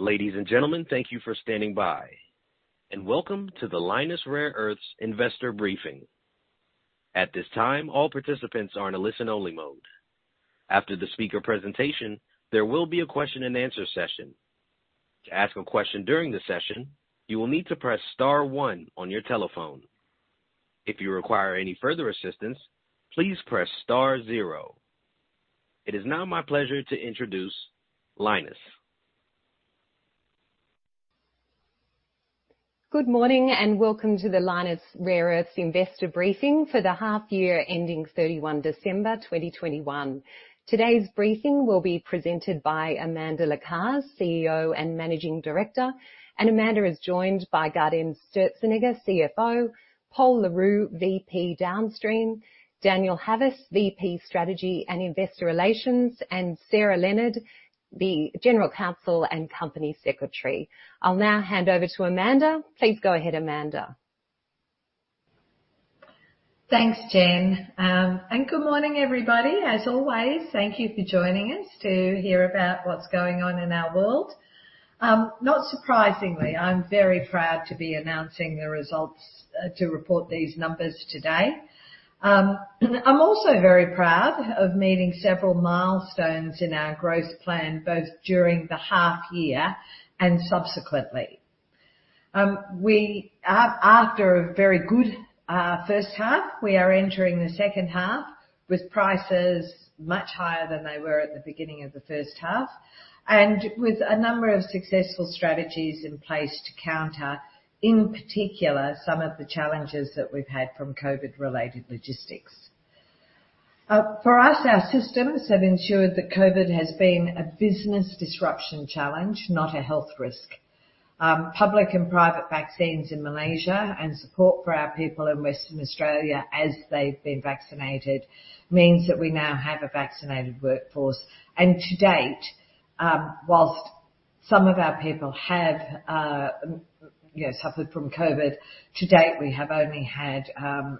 Ladies and gentlemen, thank you for standing by, and welcome to the Lynas Rare Earths investor briefing. At this time, all participants are in a listen-only mode. After the speaker presentation, there will be a question and answer session. To ask a question during the session, you will need to press star one on your telephone. If you require any further assistance, please press star zero. It is now my pleasure to introduce Lynas. Good morning and welcome to the Lynas Rare Earths investor briefing for the half year ending 31 December 2021. Today's briefing will be presented by Amanda Lacaze, CEO and Managing Director, and Amanda is joined by Gaudenz Sturzenegger, CFO, Pol Le Roux, VP Downstream, Daniel Havas, VP Strategy and Investor Relations, and Sarah Leonard, the General Counsel and Company Secretary. I'll now hand over to Amanda. Please go ahead, Amanda. Thanks, Jen, and good morning, everybody. As always, thank you for joining us to hear about what's going on in our world. Not surprisingly, I'm very proud to be announcing the results to report these numbers today. I'm also very proud of meeting several milestones in our growth plan, both during the half year and subsequently. After a very good first half, we are entering the second half with prices much higher than they were at the beginning of the first half and with a number of successful strategies in place to counter, in particular, some of the challenges that we've had from COVID-related logistics. For us, our systems have ensured that COVID has been a business disruption challenge, not a health risk. Public and private vaccines in Malaysia and support for our people in Western Australia as they've been vaccinated means that we now have a vaccinated workforce. To date, while some of our people have, you know, suffered from COVID, to date, we have only had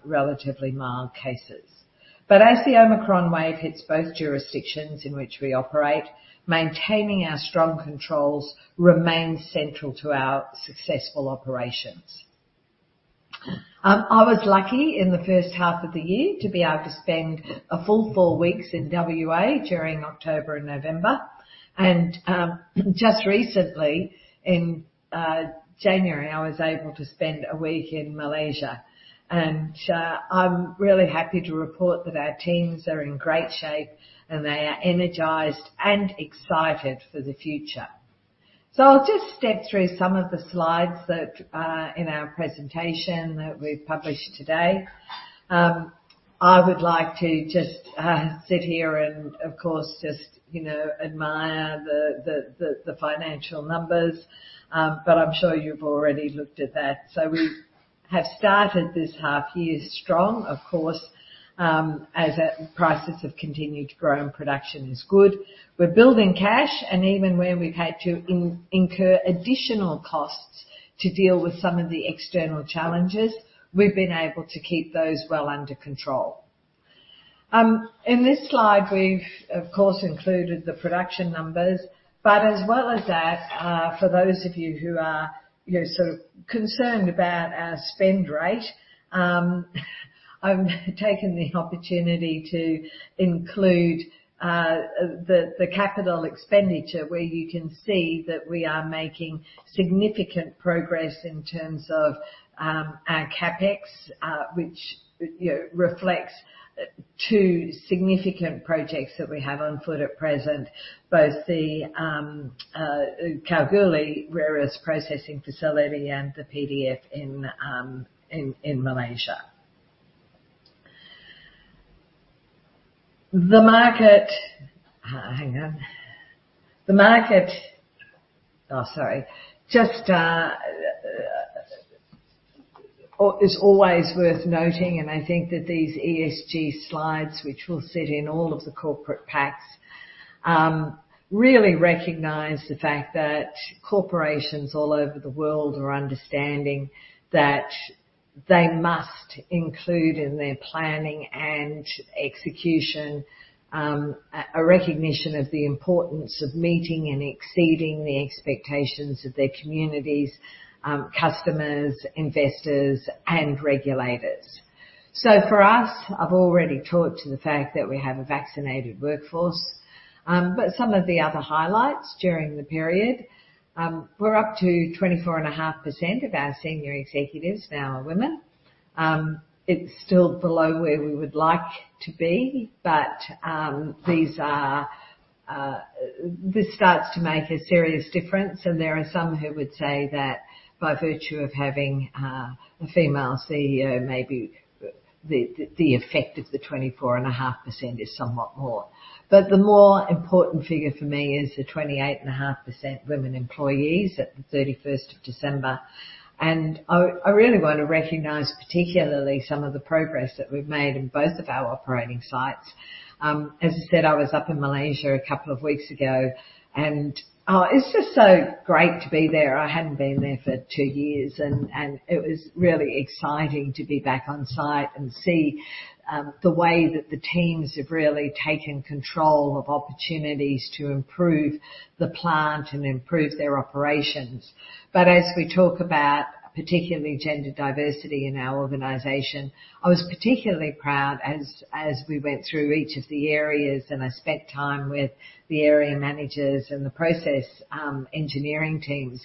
relatively mild cases. As the Omicron wave hits both jurisdictions in which we operate, maintaining our strong controls remains central to our successful operations. I was lucky in the first half of the year to be able to spend a full four weeks in WA during October and November. Just recently in January, I was able to spend a week in Malaysia. I'm really happy to report that our teams are in great shape, and they are energized and excited for the future. I'll just step through some of the slides that in our presentation that we've published today. I would like to just sit here and, of course, just, you know, admire the financial numbers. But I'm sure you've already looked at that. We have started this half year strong, of course, as prices have continued to grow and production is good. We're building cash, and even where we've had to incur additional costs to deal with some of the external challenges, we've been able to keep those well under control. In this slide we've, of course, included the production numbers, but as well as that, for those of you who are, you know, sort of concerned about our spend rate, I've taken the opportunity to include the capital expenditure, where you can see that we are making significant progress in terms of our CapEx, which, you know, reflects two significant projects that we have on foot at present, both the Kalgoorlie Rare Earths Processing Facility and the PDF in Malaysia. It's always worth noting, and I think that these ESG slides, which will sit in all of the corporate packs, really recognize the fact that corporations all over the world are understanding that they must include in their planning and execution, a recognition of the importance of meeting and exceeding the expectations of their communities, customers, investors, and regulators. For us, I've already talked to the fact that we have a vaccinated workforce. Some of the other highlights during the period, we're up to 24.5% of our senior executives now are women. It's still below where we would like to be, these start to make a serious difference. There are some who would say that by virtue of having a female CEO, maybe the effect of the 24.5% is somewhat more. The more important figure for me is the 28.5% women employees at December 31. I really wanna recognize particularly some of the progress that we've made in both of our operating sites. As I said, I was up in Malaysia a couple of weeks ago, and, oh, it's just so great to be there. I hadn't been there for two years and it was really exciting to be back on site and see the way that the teams have really taken control of opportunities to improve the plant and improve their operations. As we talk about particularly gender diversity in our organization, I was particularly proud as we went through each of the areas, and I spent time with the area managers and the process engineering teams,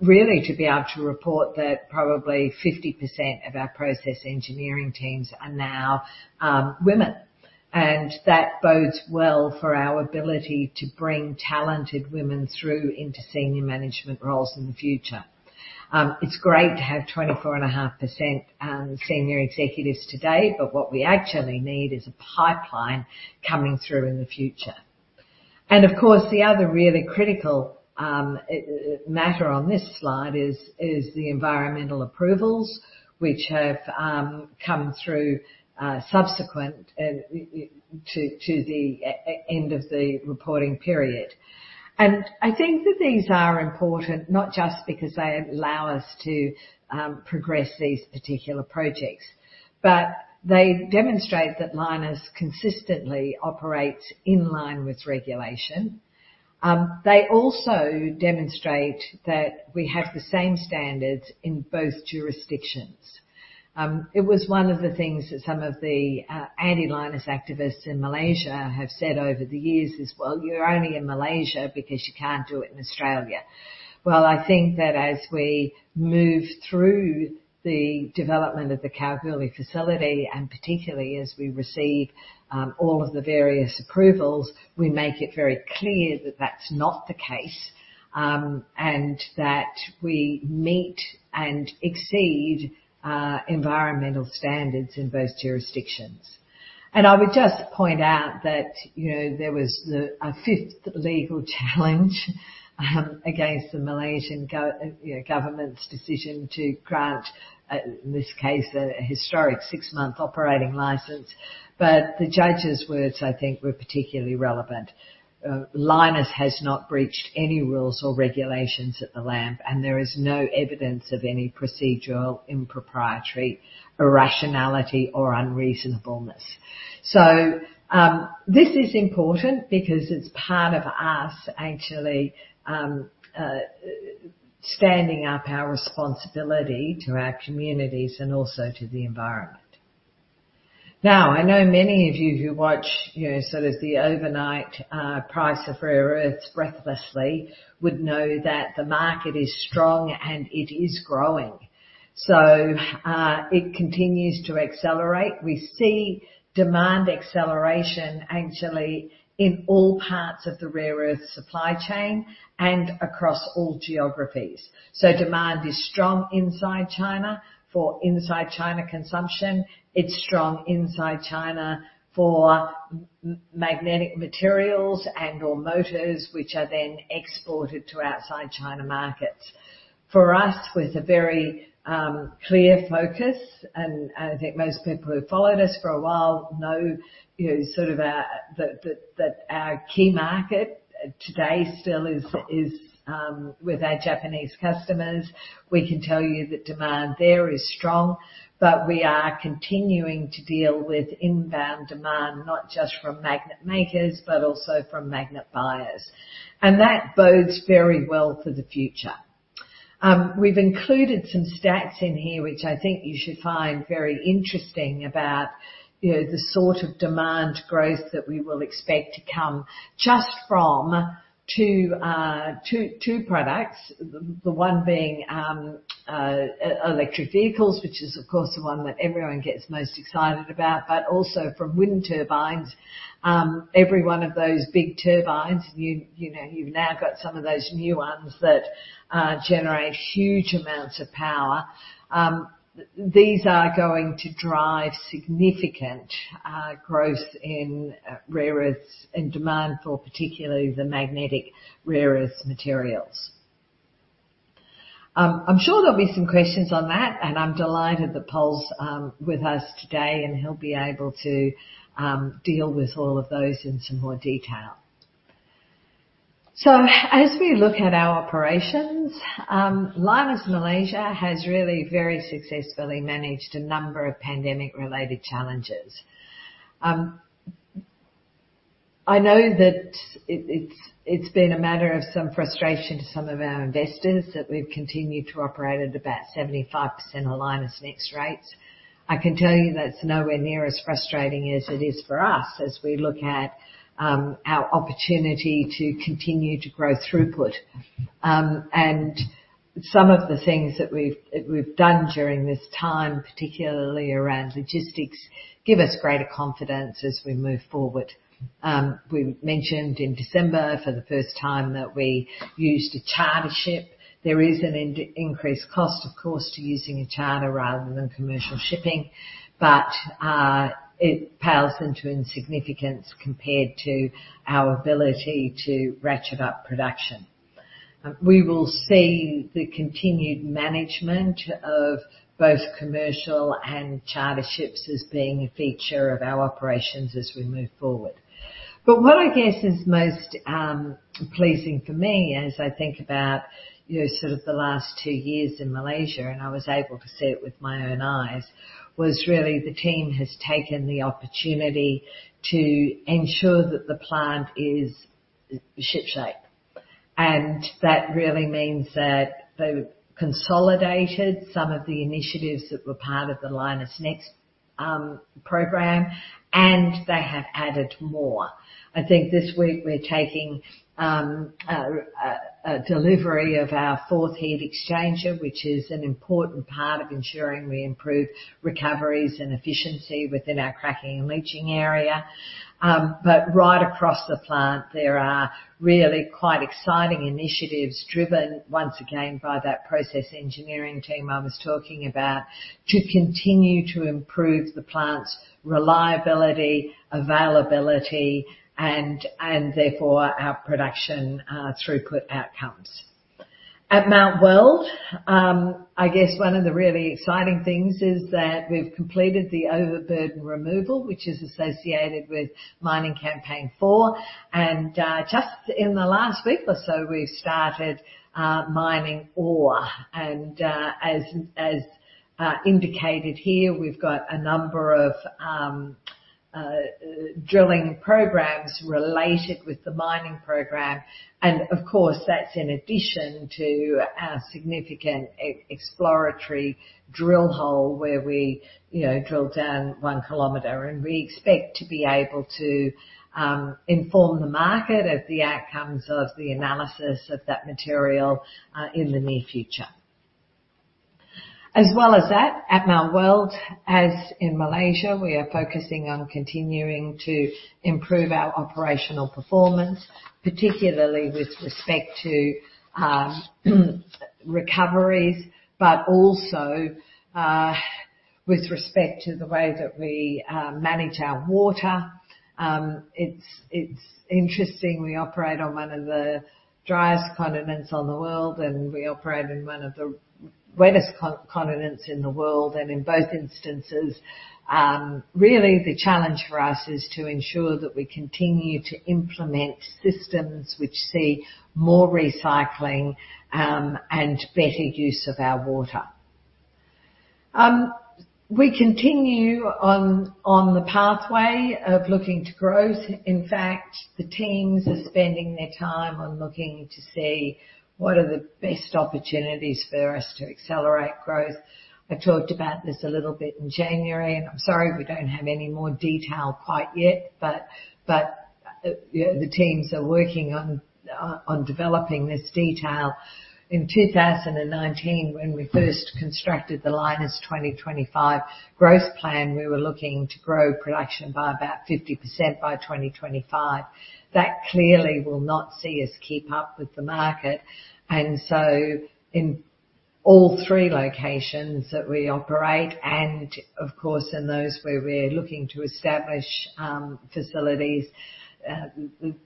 really to be able to report that probably 50% of our process engineering teams are now women. That bodes well for our ability to bring talented women through into senior management roles in the future. It's great to have 24.5% senior executives today, but what we actually need is a pipeline coming through in the future. Of course, the other really critical matter on this slide is the environmental approvals which have come through subsequent to the end of the reporting period. I think that these are important not just because they allow us to progress these particular projects, but they demonstrate that Lynas consistently operates in line with regulation. They also demonstrate that we have the same standards in both jurisdictions. It was one of the things that some of the anti-Lynas activists in Malaysia have said over the years is, "Well, you're only in Malaysia because you can't do it in Australia." Well, I think that as we move through the development of the Kalgoorlie facility, and particularly as we receive all of the various approvals, we make it very clear that that's not the case, and that we meet and exceed environmental standards in both jurisdictions. I would just point out that, you know, there was a fifth legal challenge against the Malaysian government's decision to grant, in this case, a historic six-month operating license. The judge's words, I think, were particularly relevant. "Lynas has not breached any rules or regulations at the LAMP, and there is no evidence of any procedural impropriety, irrationality or unreasonableness." This is important because it's part of us actually standing up our responsibility to our communities and also to the environment. Now, I know many of you who watch, you know, sort of the overnight price of rare earths breathlessly would know that the market is strong, and it is growing. It continues to accelerate. We see demand acceleration actually in all parts of the rare earth supply chain and across all geographies. Demand is strong inside China for inside China consumption. It's strong inside China for magnetic materials and/or motors which are then exported to outside China markets. For us, with a very clear focus, and I think most people who've followed us for a while know, you know, sort of that our key market today still is with our Japanese customers. We can tell you that demand there is strong, but we are continuing to deal with inbound demand, not just from magnet makers, but also from magnet buyers. That bodes very well for the future. We've included some stats in here which I think you should find very interesting about, you know, the sort of demand growth that we will expect to come just from two products. The one being electric vehicles, which is of course the one that everyone gets most excited about, but also from wind turbines. Every one of those big turbines, you know, you've now got some of those new ones that generate huge amounts of power. These are going to drive significant growth in rare earths and demand for particularly the magnetic rare earths materials. I'm sure there'll be some questions on that, and I'm delighted that Pol's with us today, and he'll be able to deal with all of those in some more detail. As we look at our operations, Lynas Malaysia has really very successfully managed a number of pandemic-related challenges. I know that it's been a matter of some frustration to some of our investors that we've continued to operate at about 75% of Lynas NEXT rates. I can tell you that's nowhere near as frustrating as it is for us as we look at our opportunity to continue to grow throughput. Some of the things that we've done during this time, particularly around logistics, give us greater confidence as we move forward. We mentioned in December for the first time that we used a charter ship. There is an increased cost, of course, to using a charter rather than commercial shipping, but it pales into insignificance compared to our ability to ratchet up production. We will see the continued management of both commercial and charter ships as being a feature of our operations as we move forward. What I guess is most pleasing for me as I think about, you know, sort of the last two years in Malaysia, and I was able to see it with my own eyes, was really the team has taken the opportunity to ensure that the plant is shipshape. That really means that they consolidated some of the initiatives that were part of the Lynas NEXT program, and they have added more. I think this week we're taking a delivery of our fourth heat exchanger, which is an important part of ensuring we improve recoveries and efficiency within our cracking and leaching area. Right across the plant, there are really quite exciting initiatives driven once again by that process engineering team I was talking about to continue to improve the plant's reliability, availability and therefore our production throughput outcomes. At Mount Weld, I guess one of the really exciting things is that we've completed the overburden removal, which is associated with Mining Campaign Four. Just in the last week or so, we started mining ore. As indicated here, we've got a number of drilling programs related with the mining program. Of course, that's in addition to our significant exploratory drill hole where we, you know, drill down one kilometer. We expect to be able to inform the market of the outcomes of the analysis of that material in the near future. As well as that, at Mount Weld, as in Malaysia, we are focusing on continuing to improve our operational performance, particularly with respect to recoveries, but also with respect to the way that we manage our water. It's interesting, we operate on one of the driest continents on the world, and we operate in one of the wettest continents in the world. In both instances, really the challenge for us is to ensure that we continue to implement systems which see more recycling, and better use of our water. We continue on the pathway of looking to growth. In fact, the teams are spending their time on looking to see what are the best opportunities for us to accelerate growth. I talked about this a little bit in January, and I'm sorry we don't have any more detail quite yet, but the teams are working on developing this detail. In 2019, when we first constructed the Lynas 2025 growth plan, we were looking to grow production by about 50% by 2025. That clearly will not see us keep up with the market. In all three locations that we operate and of course in those where we're looking to establish facilities,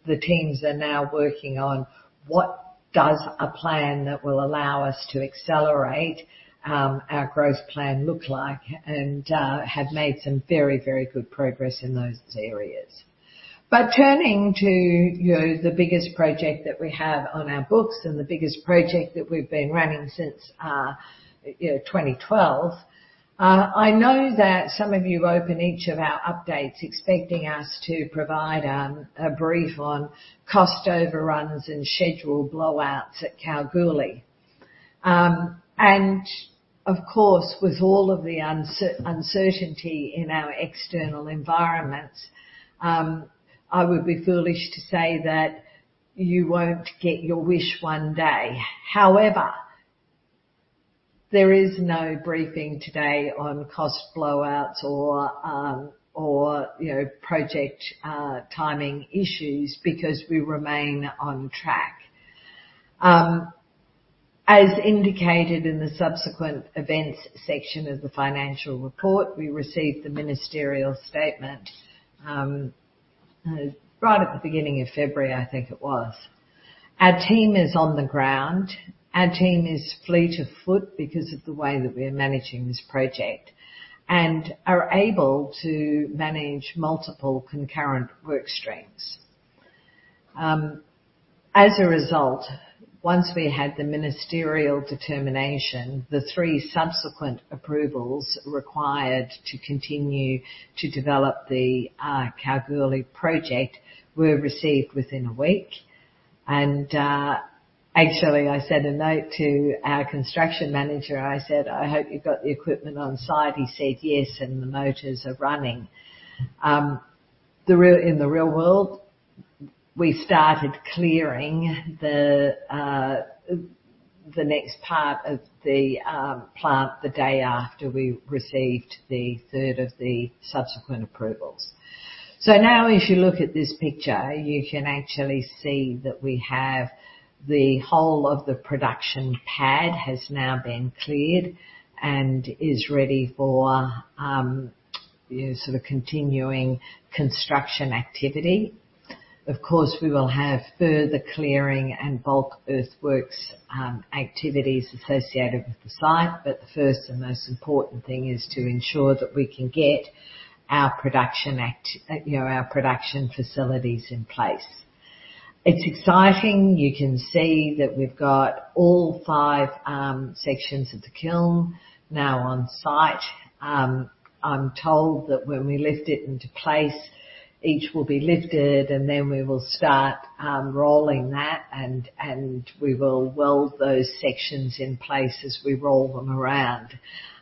the teams are now working on what does a plan that will allow us to accelerate our growth plan look like, and have made some very, very good progress in those areas. Turning to, you know, the biggest project that we have on our books and the biggest project that we've been running since, you know, 2012. I know that some of you open each of our updates expecting us to provide a brief on cost overruns and schedule blowouts at Kalgoorlie. Of course, with all of the uncertainty in our external environments, I would be foolish to say that you won't get your wish one day. However, there is no briefing today on cost blowouts or, you know, project timing issues because we remain on track. As indicated in the subsequent events section of the financial report, we received the ministerial statement right at the beginning of February, I think it was. Our team is on the ground. Our team is fleet of foot because of the way that we are managing this project and are able to manage multiple concurrent work streams. As a result, once we had the ministerial determination, the three subsequent approvals required to continue to develop the Kalgoorlie project were received within a week. Actually, I sent a note to our construction manager. I said, "I hope you got the equipment on site." He said, "Yes, and the motors are running." In the real world, we started clearing the next part of the plant the day after we received the third of the subsequent approvals. Now if you look at this picture, you can actually see that we have the whole of the production pad has now been cleared and is ready for you know, sort of continuing construction activity. Of course, we will have further clearing and bulk earthworks, activities associated with the site, but the first and most important thing is to ensure that we can get our production you know our production facilities in place. It's exciting. You can see that we've got all five sections of the kiln now on site. I'm told that when we lift it into place, each will be lifted, and then we will start rolling that, and we will weld those sections in place as we roll them around.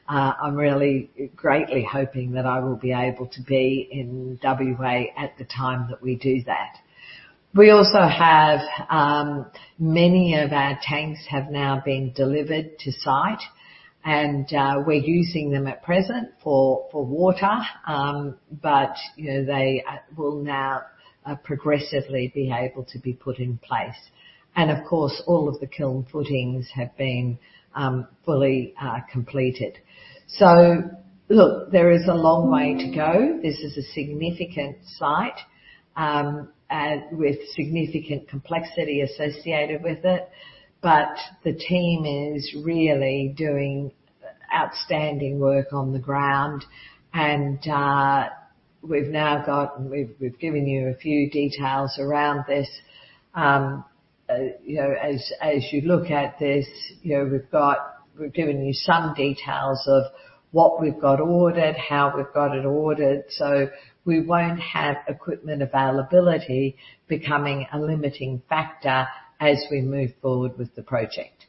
I'm really greatly hoping that I will be able to be in WA at the time that we do that. We also have many of our tanks have now been delivered to site, and we're using them at present for water. You know, they will now progressively be able to be put in place. Of course, all of the kiln footings have been fully completed. Look, there is a long way to go. This is a significant site with significant complexity associated with it, but the team is really doing outstanding work on the ground. We've now got. We've given you a few details around this. You know, as you look at this, you know, we've given you some details of what we've got ordered, how we've got it ordered, so we won't have equipment availability becoming a limiting factor as we move forward with the project.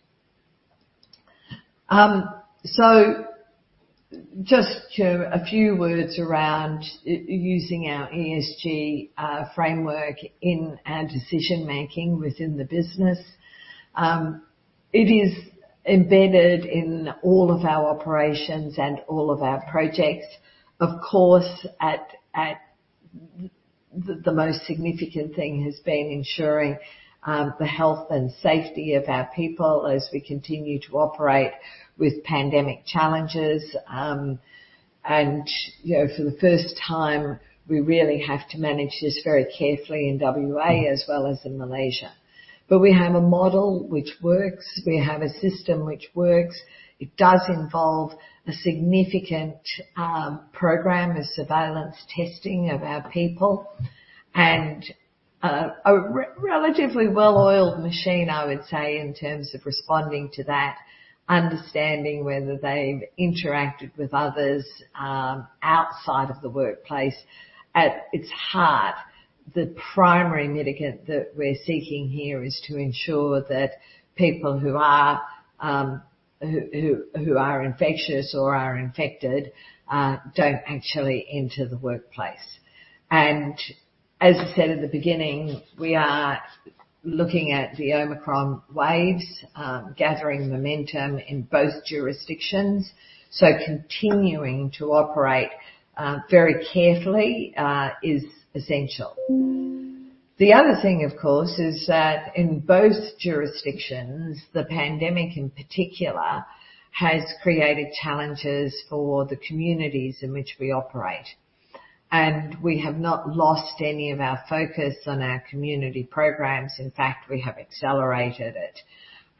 Just a few words around using our ESG framework in our decision-making within the business. It is embedded in all of our operations and all of our projects. Of course, the most significant thing has been ensuring the health and safety of our people as we continue to operate with pandemic challenges. You know, for the first time, we really have to manage this very carefully in WA as well as in Malaysia. We have a model which works. We have a system which works. It does involve a significant program of surveillance testing of our people and a relatively well-oiled machine, I would say, in terms of responding to that, understanding whether they've interacted with others outside of the workplace. At its heart, the primary mitigant that we're seeking here is to ensure that people who are infectious or are infected don't actually enter the workplace. As I said at the beginning, we are looking at the Omicron waves gathering momentum in both jurisdictions, so continuing to operate very carefully is essential. The other thing, of course, is that in both jurisdictions, the pandemic, in particular, has created challenges for the communities in which we operate. We have not lost any of our focus on our community programs. In fact, we have accelerated it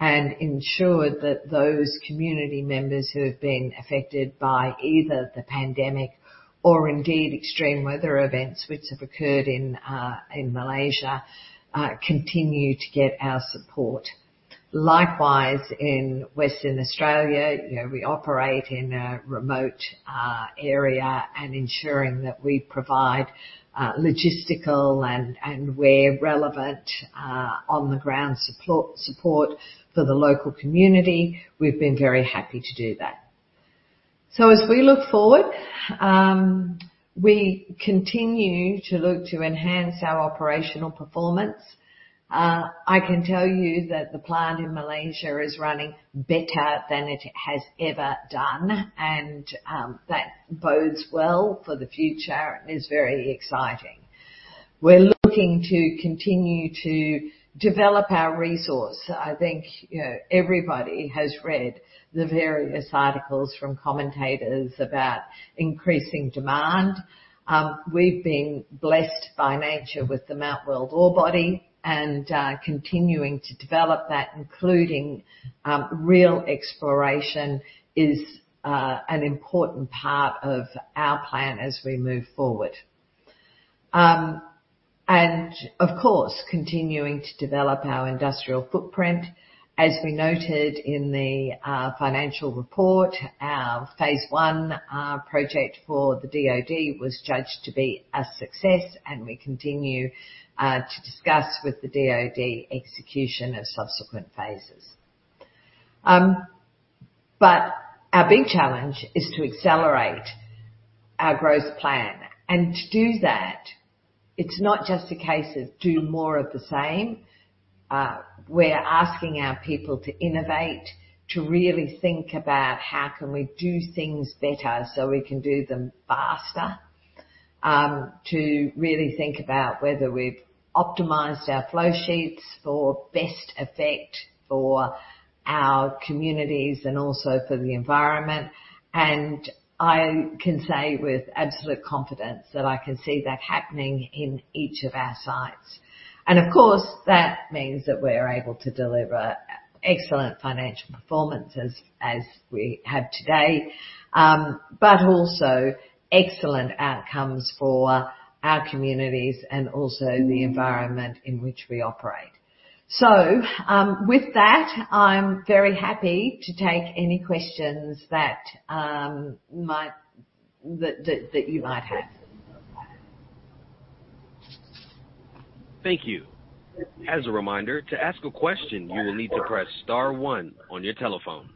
and ensured that those community members who have been affected by either the pandemic or indeed extreme weather events which have occurred in Malaysia continue to get our support. Likewise, in Western Australia, you know, we operate in a remote area and ensuring that we provide logistical and where relevant on the ground support for the local community. We've been very happy to do that. As we look forward, we continue to look to enhance our operational performance. I can tell you that the plant in Malaysia is running better than it has ever done, and that bodes well for the future and is very exciting. We're looking to continue to develop our resource. I think, you know, everybody has read the various articles from commentators about increasing demand. We've been blessed by nature with the Mount Weld ore body, and continuing to develop that, including real exploration, is an important part of our plan as we move forward. Of course, continuing to develop our industrial footprint. As we noted in the financial report, our phase I project for the DoD was judged to be a success, and we continue to discuss with the DoD execution of subsequent phases. Our big challenge is to accelerate our growth plan. To do that, it's not just a case of do more of the same. We're asking our people to innovate, to really think about how can we do things better so we can do them faster, to really think about whether we've optimized our flow sheets for best effect for our communities and also for the environment. I can say with absolute confidence that I can see that happening in each of our sites. Of course, that means that we're able to deliver excellent financial performance as we have today, but also excellent outcomes for our communities and also the environment in which we operate. With that, I'm very happy to take any questions that you might have. Thank you. As a reminder, to ask a question, you will need to press star one on your telephone.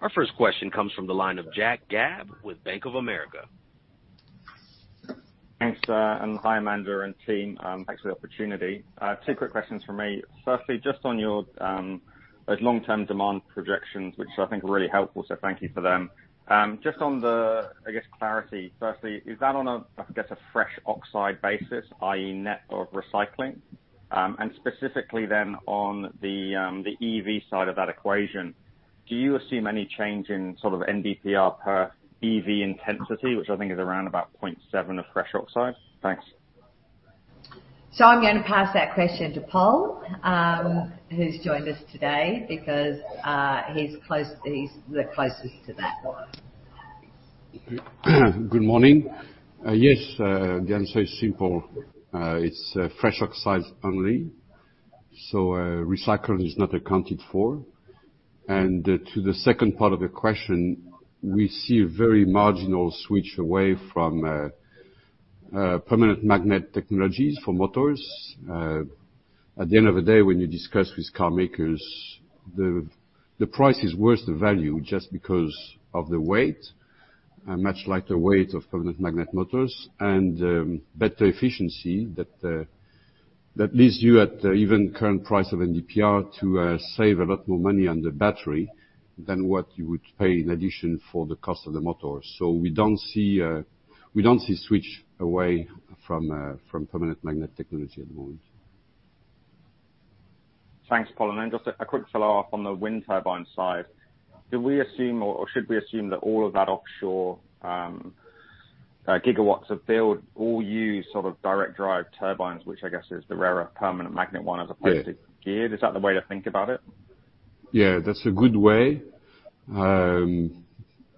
Our first question comes from the line of Jack Gabb with Bank of America. Thanks and hi, Amanda and team. Thanks for the opportunity. Two quick questions from me. Firstly, just on your those long-term demand projections, which I think are really helpful, so thank you for them. Just on the, I guess, clarity. Firstly, is that on a, I guess, a fresh oxide basis, i.e. net of recycling? And specifically then on the EV side of that equation, do you assume any change in sort of NdPr per EV intensity, which I think is around about 0.7 of fresh oxide? Thanks. I'm gonna pass that question to Pol, who's joined us today because he's the closest to that one. Good morning. Yes, the answer is simple. It's fresh oxides only, so recycling is not accounted for. To the second part of the question, we see a very marginal switch away from permanent magnet technologies for motors. At the end of the day, when you discuss with car makers, the price is worth the value just because of the weight, much lighter weight of permanent magnet motors and better efficiency that leaves you at even current price of NdPr to save a lot more money on the battery than what you would pay in addition for the cost of the motor. We don't see switch away from permanent magnet technology at the moment. Thanks, Pol. Just a quick follow-up on the wind turbine side. Do we assume or should we assume that all of that offshore gigawatts of build all use sort of direct drive turbines, which I guess is the rare-earth permanent magnet one as- Yeah. Opposed to gear? Is that the way to think about it? Yeah, that's a good way.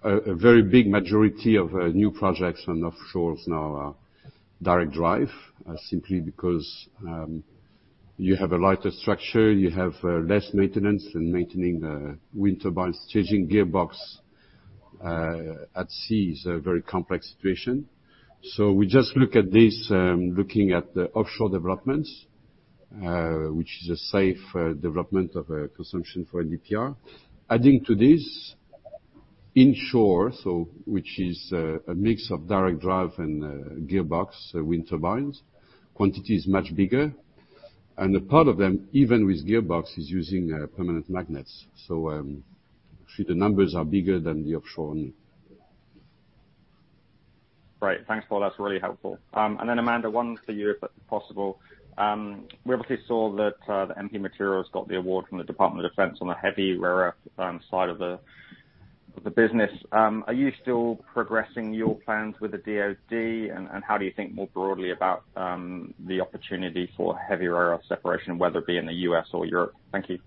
A very big majority of new projects on offshore now are direct drive simply because you have a lighter structure, you have less maintenance than maintaining the wind turbines. Changing gearbox at sea is a very complex situation. We just look at this, looking at the offshore developments which is a safe development of consumption for NdPr. Adding to this, onshore, which is a mix of direct drive and gearbox wind turbines. Quantity is much bigger. A part of them, even with gearbox, is using permanent magnets. Actually the numbers are bigger than the offshore only. Right. Thanks, Pol. That's really helpful. And then, Amanda, one for you, if possible. We obviously saw that the MP Materials got the award from the Department of Defense on the heavy rare earth side of the business. Are you still progressing your plans with the DoD? And how do you think more broadly about the opportunity for heavy rare earth separation, whether it be in the U.S. or Europe? Thank you.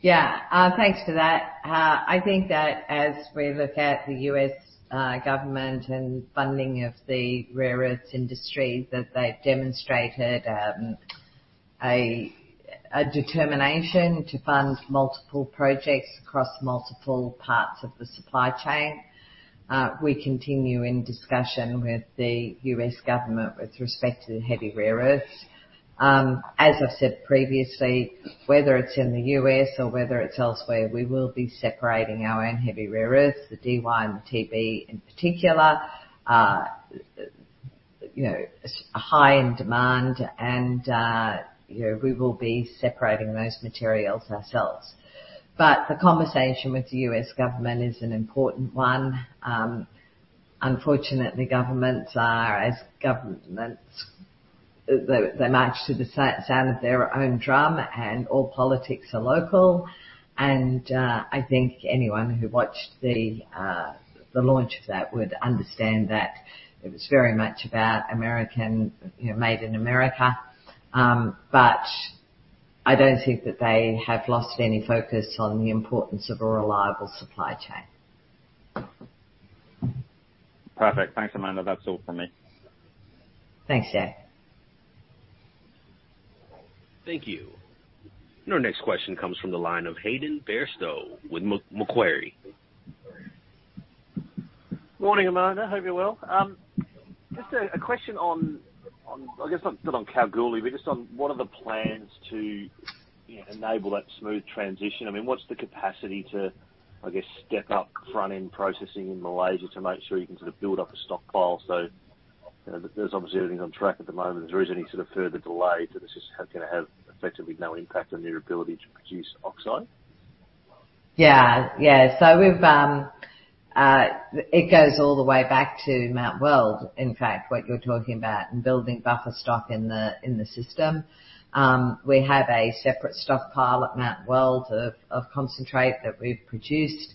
Yeah. Thanks for that. I think that as we look at the U.S. government and funding of the rare earths industry, that they've demonstrated a determination to fund multiple projects across multiple parts of the supply chain. We continue in discussion with the U.S. government with respect to the heavy rare earths. As I said previously, whether it's in the U.S. or whether it's elsewhere, we will be separating our own heavy rare earths, the Dy and the Tb in particular. You know, high in demand and, you know, we will be separating those materials ourselves. But the conversation with the U.S. government is an important one. Unfortunately, governments are as governments. They march to the sound of their own drum, and all politics are local. I think anyone who watched the launch of that would understand that it was very much about American, you know, made in America. But I don't think that they have lost any focus on the importance of a reliable supply chain. Perfect. Thanks, Amanda. That's all from me. Thanks, Jack Gabb. Thank you. Our next question comes from the line of Hayden Bairstow with Macquarie. Morning, Amanda. Hope you're well. Just a question on, I guess not on Kalgoorlie, but just on what are the plans to, you know, enable that smooth transition? I mean, what's the capacity to, I guess, step up front-end processing in Malaysia to make sure you can sort of build up a stockpile so, you know, there's obviously everything on track at the moment. Is there any sort of further delay? This is gonna have effectively no impact on your ability to produce oxide? It goes all the way back to Mount Weld. In fact, what you're talking about in building buffer stock in the system. We have a separate stockpile at Mount Weld of concentrate that we've produced.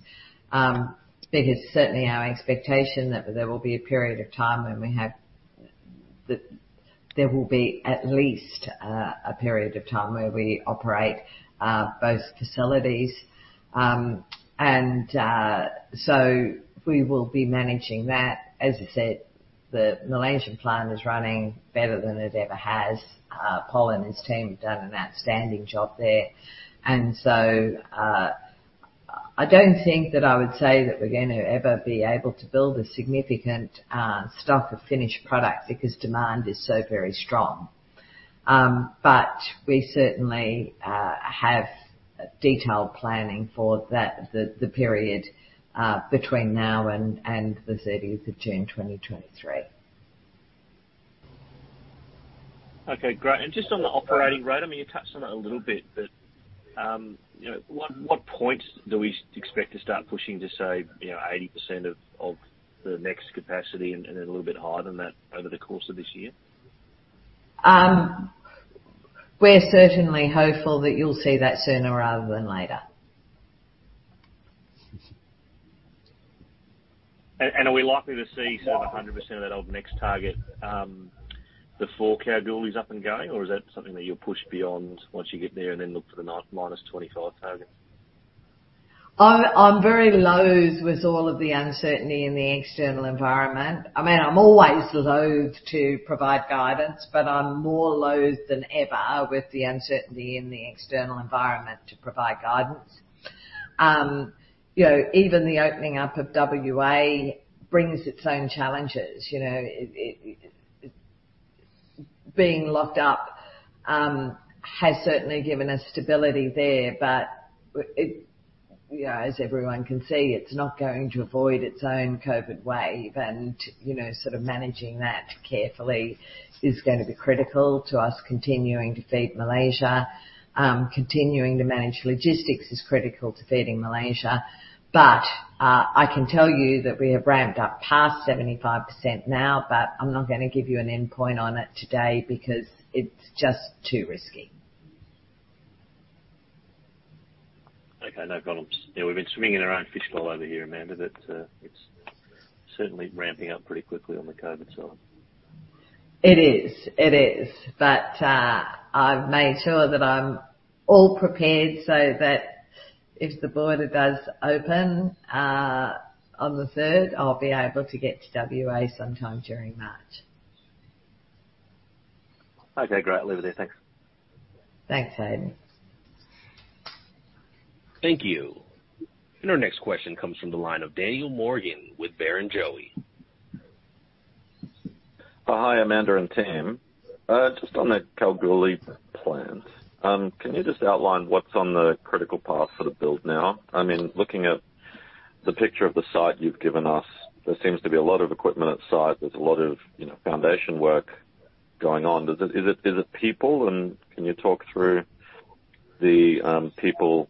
It is certainly our expectation that there will be at least a period of time where we operate both facilities. We will be managing that. As I said, the Malaysian plant is running better than it ever has. Pol and his team have done an outstanding job there. I don't think that I would say that we're gonna ever be able to build a significant stock of finished product because demand is so very strong. We certainly have detailed planning for that, the period between now and the 30th of June 2023. Okay, great. Just on the operating rate, I mean, you touched on it a little bit, you know, what point do we expect to start pushing to say, you know, 80% of the next capacity and then a little bit higher than that over the course of this year? We're certainly hopeful that you'll see that sooner rather than later. Are we likely to see sort of 100% of that Lynas NEXT target before Kalgoorlie's up and going? Or is that something that you'll push beyond once you get there and then look for the Lynas 2025 target? I'm very loath with all of the uncertainty in the external environment. I mean, I'm always loath to provide guidance, but I'm more loath than ever with the uncertainty in the external environment to provide guidance. You know, even the opening up of WA brings its own challenges. You know, being locked up has certainly given us stability there, but with it, you know, as everyone can see, it's not going to avoid its own COVID wave. You know, sort of managing that carefully is gonna be critical to us continuing to feed Malaysia. Continuing to manage logistics is critical to feeding Malaysia. I can tell you that we have ramped up past 75% now, but I'm not gonna give you an endpoint on it today because it's just too risky. Okay, no problems. Yeah, we've been swimming in our own fishbowl over here, Amanda, but it's certainly ramping up pretty quickly on the COVID side. It is. I've made sure that I'm all prepared so that if the border does open, on the third, I'll be able to get to WA sometime during March. Okay, great. I'll leave it there. Thanks. Thanks, Hayden. Thank you. Our next question comes from the line of Daniel Morgan with Barrenjoey. Oh, hi, Amanda and team. Just on that Kalgoorlie plant. Can you just outline what's on the critical path for the build now? I mean, looking at the picture of the site you've given us, there seems to be a lot of equipment on site. There's a lot of, you know, foundation work going on. Is it people and can you talk through the people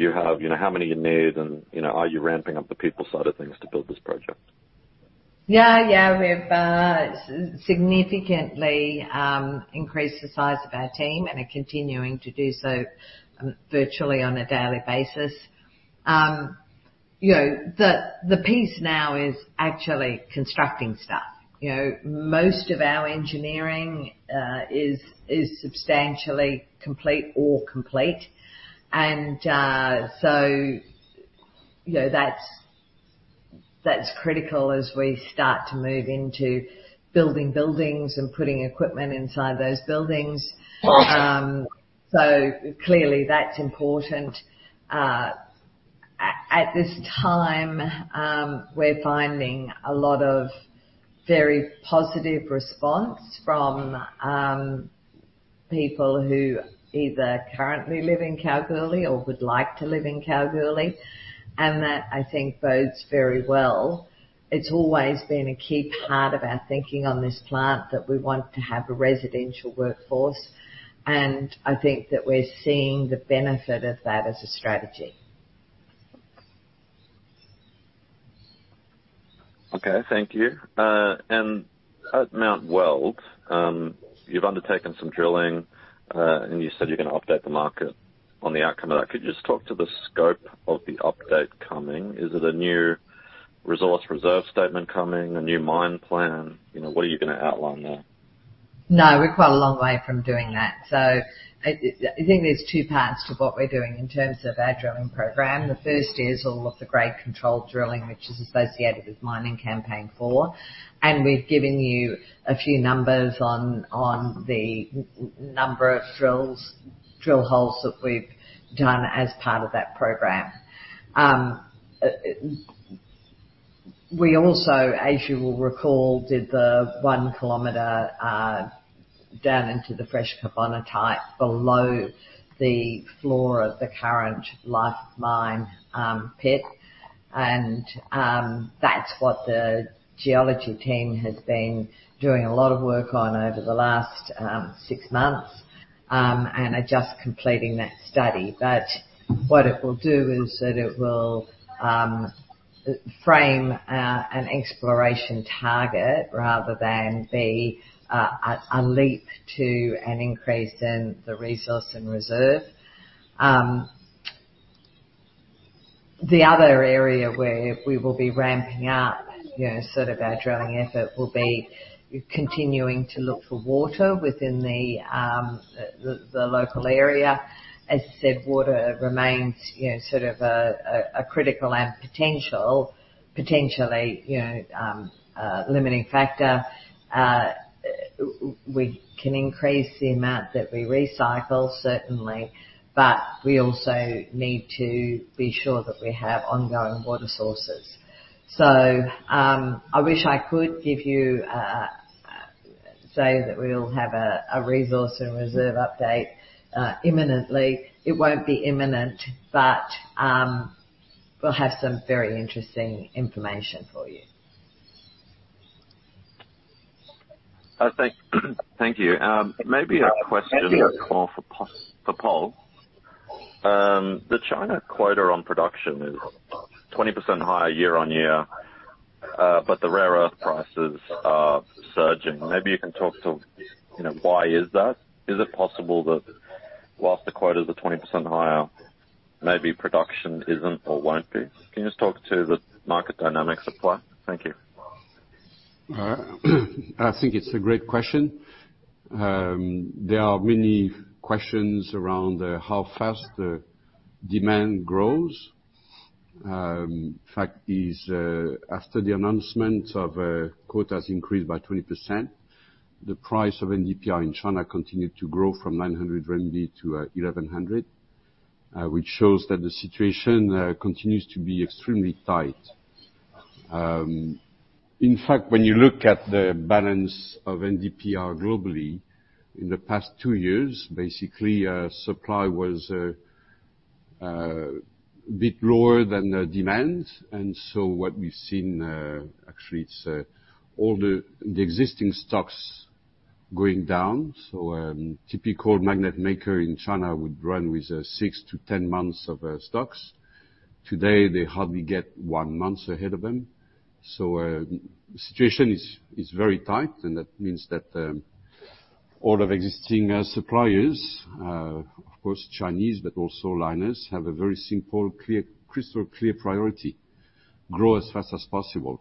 you have? You know, how many you need and, you know, are you ramping up the people side of things to build this project? Yeah, yeah. We've significantly increased the size of our team and are continuing to do so virtually on a daily basis. You know, the piece now is actually constructing stuff. You know, most of our engineering is substantially complete or complete. You know, that's critical as we start to move into building buildings and putting equipment inside those buildings. So clearly that's important. At this time, we're finding a lot of very positive response from people who either currently live in Kalgoorlie or would like to live in Kalgoorlie, and that, I think, bodes very well. It's always been a key part of our thinking on this plant that we want to have a residential workforce, and I think that we're seeing the benefit of that as a strategy. Okay. Thank you. At Mount Weld, you've undertaken some drilling, and you said you're gonna update the market on the outcome of that. Could you just talk to the scope of the update coming? Is it a new resource reserve statement coming? A new mine plan? You know, what are you gonna outline there? No, we're quite a long way from doing that. I think there's two parts to what we're doing in terms of our drilling program. The first is all of the grade control drilling, which is associated with Mining Campaign Four, and we've given you a few numbers on the number of drill holes that we've done as part of that program. We also, as you will recall, did the one kilometer down into the fresh carbonatite below the floor of the current open pit mine. That's what the geology team has been doing a lot of work on over the last six months and are just completing that study. What it will do is that it will frame an exploration target rather than be a leap to an increase in the resource and reserve. The other area where we will be ramping up, you know, sort of our drilling effort will be continuing to look for water within the local area. As I said, water remains, you know, sort of a critical and potentially limiting factor. We can increase the amount that we recycle, certainly, but we also need to be sure that we have ongoing water sources. I wish I could give you say that we'll have a resource and reserve update imminently. It won't be imminent, but we'll have some very interesting information for you. Thank you. Maybe a question more for Pol. The China quota on production is 20% higher year-on-year, but the rare earth prices are surging. Maybe you can talk to, you know, why is that? Is it possible that whilst the quotas are 20% higher, maybe production isn't or won't be? Can you just talk to the market dynamics at play? Thank you. All right. I think it's a great question. There are many questions around how fast the demand grows. Fact is, after the announcement of quotas increased by 20%, the price of NdPr in China continued to grow from 900 RMB to 1,100, which shows that the situation continues to be extremely tight. In fact, when you look at the balance of NdPr globally, in the past two years, basically, supply was a bit lower than the demand. What we've seen, actually it's all the existing stocks going down. A typical magnet maker in China would run with 6-10 months of stocks. Today, they hardly get one month ahead of them. The situation is very tight, and that means that all of existing suppliers, of course Chinese, but also Lynas, have a very simple, clear, crystal clear priority, grow as fast as possible.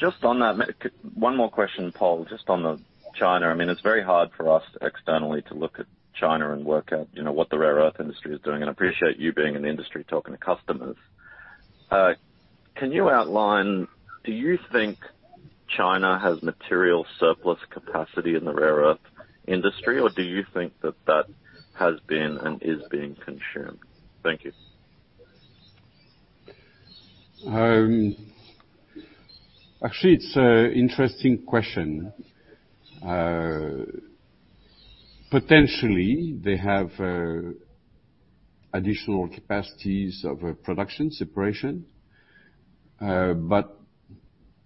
Just on that, one more question, Pol, just on China. I mean, it's very hard for us externally to look at China and work out, you know, what the rare earth industry is doing, and I appreciate you being in the industry, talking to customers. Can you outline do you think China has material surplus capacity in the rare earth industry, or do you think that has been and is being consumed? Thank you. Actually, it's an interesting question. Potentially they have additional capacities of production separation, but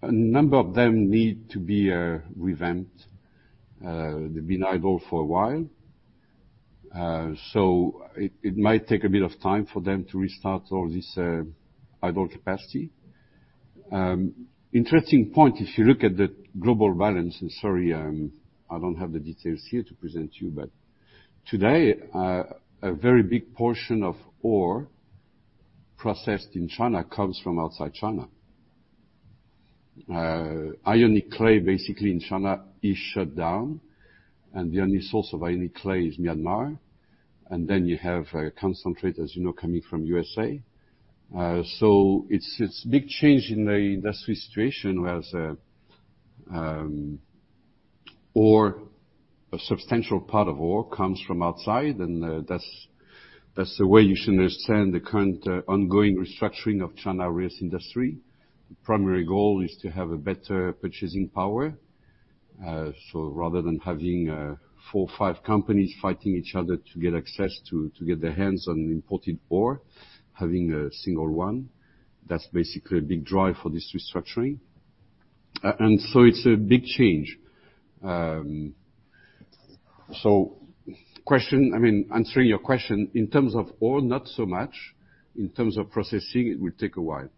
a number of them need to be revamped. They've been idle for a while, so it might take a bit of time for them to restart all this idle capacity. Interesting point, if you look at the global balance, and sorry, I don't have the details here to present to you, but today, a very big portion of ore processed in China comes from outside China. Ionic clay basically in China is shut down, and the only source of ionic clay is Myanmar. Then you have concentrate, as you know, coming from U.S.A. It's a big change in the industry situation where there's ore, a substantial part of ore comes from outside, and that's the way you should understand the current ongoing restructuring of China rare earth industry. The primary goal is to have a better purchasing power. Rather than having four or five companies fighting each other to get access to get their hands on imported ore, having a single one, that's basically a big drive for this restructuring. It's a big change. Question, I mean, answering your question, in terms of ore, not so much. In terms of processing, it will take a while.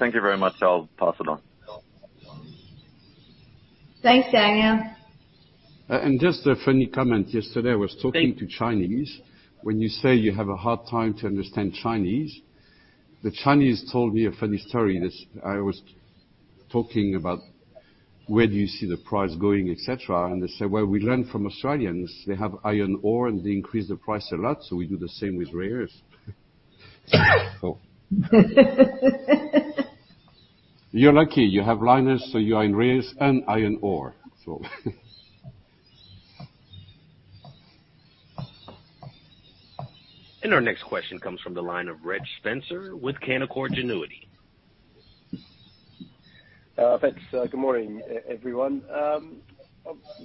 Thank you very much. I'll pass it on. Thanks, Daniel. Just a funny comment. Yesterday I was talking. Thank- to Chinese. When you say you have a hard time to understand Chinese, the Chinese told me a funny story. I was talking about where do you see the price going, et cetera, and they say, "Well, we learn from Australians. They have iron ore, and they increase the price a lot, so we do the same with rare earths." You're lucky you have Lynas, so you are in rare earths and iron ore. Our next question comes from the line of Reg Spencer with Canaccord Genuity. Thanks. Good morning, everyone.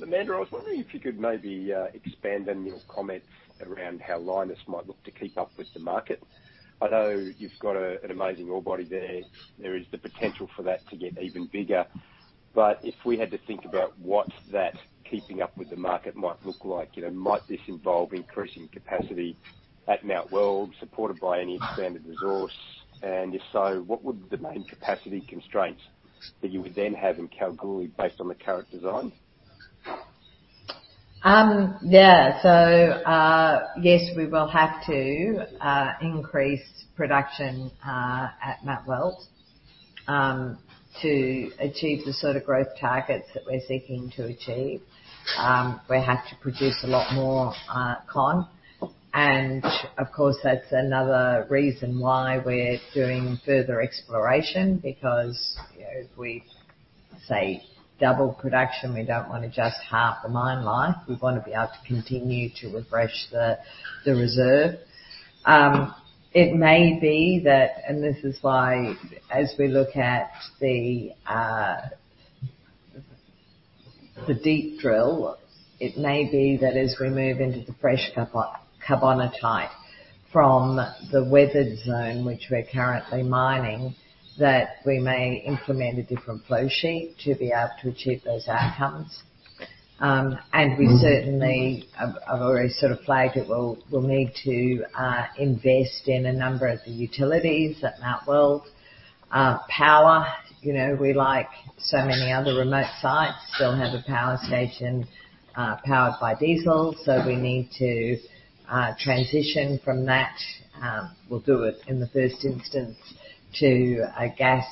Amanda, I was wondering if you could maybe expand on your comments around how Lynas might look to keep up with the market. I know you've got an amazing ore body there. There is the potential for that to get even bigger. But if we had to think about what that keeping up with the market might look like, you know, might this involve increasing capacity at Mount Weld supported by any expanded resource? And if so, what would the main capacity constraints that you would then have in Kalgoorlie based on the current design? Yeah. Yes, we will have to increase production at Mount Weld to achieve the sort of growth targets that we're seeking to achieve. We have to produce a lot more concentrate. And of course, that's another reason why we're doing further exploration because, you know, if we, say, double production, we don't wanna just halve the mine life. We wanna be able to continue to refresh the reserve. It may be that, and this is why as we look at the deep drilling, it may be that as we move into the fresh carbonatite from the weathered zone which we're currently mining, that we may implement a different flowsheet to be able to achieve those outcomes. We certainly have already sort of flagged that we'll need to invest in a number of the utilities at Mount Weld. Power, you know, we, like so many other remote sites, still have a power station powered by diesel. We need to transition from that. We'll do it in the first instance to a gas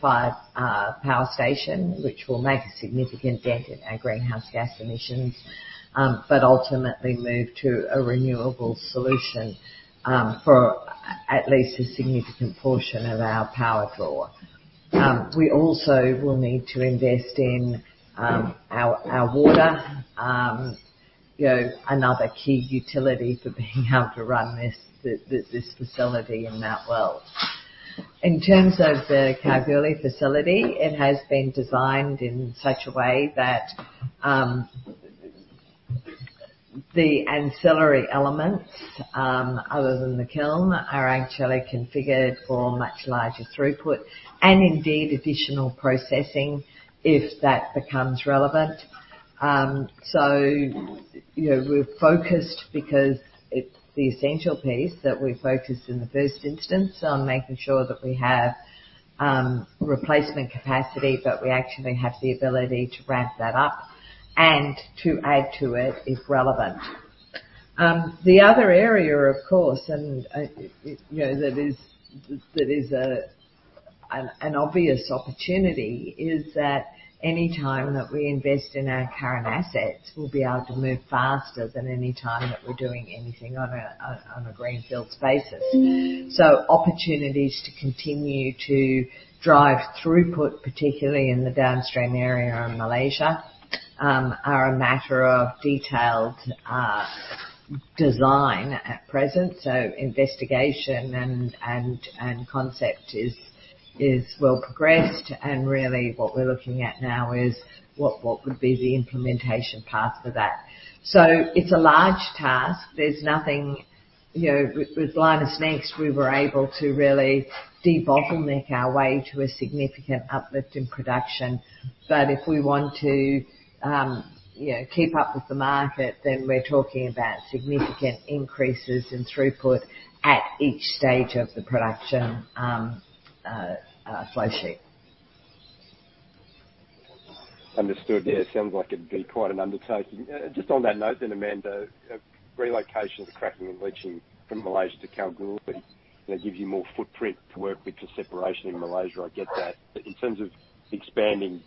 fired power station, which will make a significant dent in our greenhouse gas emissions but ultimately move to a renewable solution for at least a significant portion of our power draw. We also will need to invest in our water. You know, another key utility for being able to run this facility in Mount Weld. In terms of the Kalgoorlie facility, it has been designed in such a way that the ancillary elements, other than the kiln are actually configured for much larger throughput and indeed additional processing if that becomes relevant. You know, we're focused because it's the essential piece that we're focused in the first instance on making sure that we have replacement capacity, but we actually have the ability to ramp that up and to add to it if relevant. The other area, of course, and you know, that is an obvious opportunity is that any time that we invest in our current assets, we'll be able to move faster than any time that we're doing anything on a greenfield basis. Opportunities to continue to drive throughput, particularly in the downstream area in Malaysia, are a matter of detailed design at present. Investigation and concept is well progressed. Really what we're looking at now is what would be the implementation path for that. It's a large task. There's nothing with Lynas NEXT, we were able to really debottleneck our way to a significant uplift in production. If we want to keep up with the market, then we're talking about significant increases in throughput at each stage of the production flow sheet. Understood. Yeah. It sounds like it'd be quite an undertaking. Just on that note then, Amanda, relocation of the cracking and leaching from Malaysia to Kalgoorlie, that gives you more footprint to work with for separation in Malaysia. I get that. In terms of expanding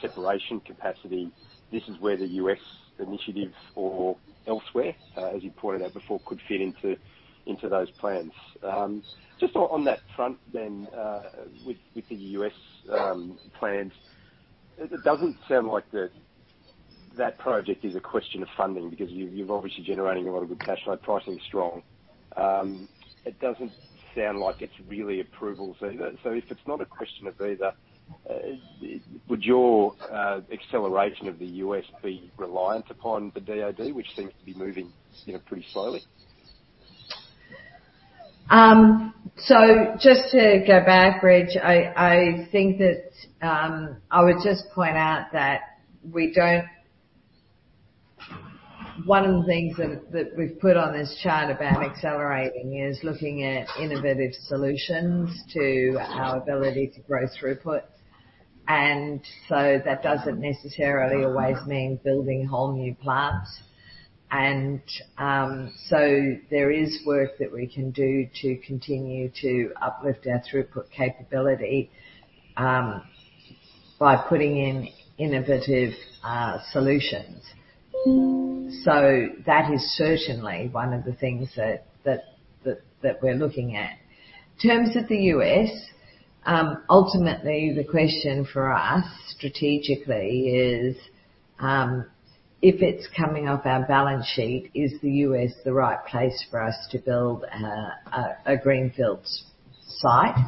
separation capacity, this is where the U.S. initiatives or elsewhere, as you pointed out before, could fit into those plans. Just on that front then, with the U.S. plans. It doesn't sound like that project is a question of funding because you're obviously generating a lot of good cash flow. Pricing is strong. It doesn't sound like it's really approvals either. If it's not a question of either, would your acceleration of the U.S. be reliant upon the DoD, which seems to be moving, you know, pretty slowly? Just to go back, Reg, I think that I would just point out that one of the things that we've put on this chart about accelerating is looking at innovative solutions to our ability to grow throughput. There is work that we can do to continue to uplift our throughput capability by putting in innovative solutions. That is certainly one of the things that we're looking at. In terms of the U.S., ultimately the question for us strategically is, if it's coming off our balance sheet, is the U.S. the right place for us to build a greenfield site?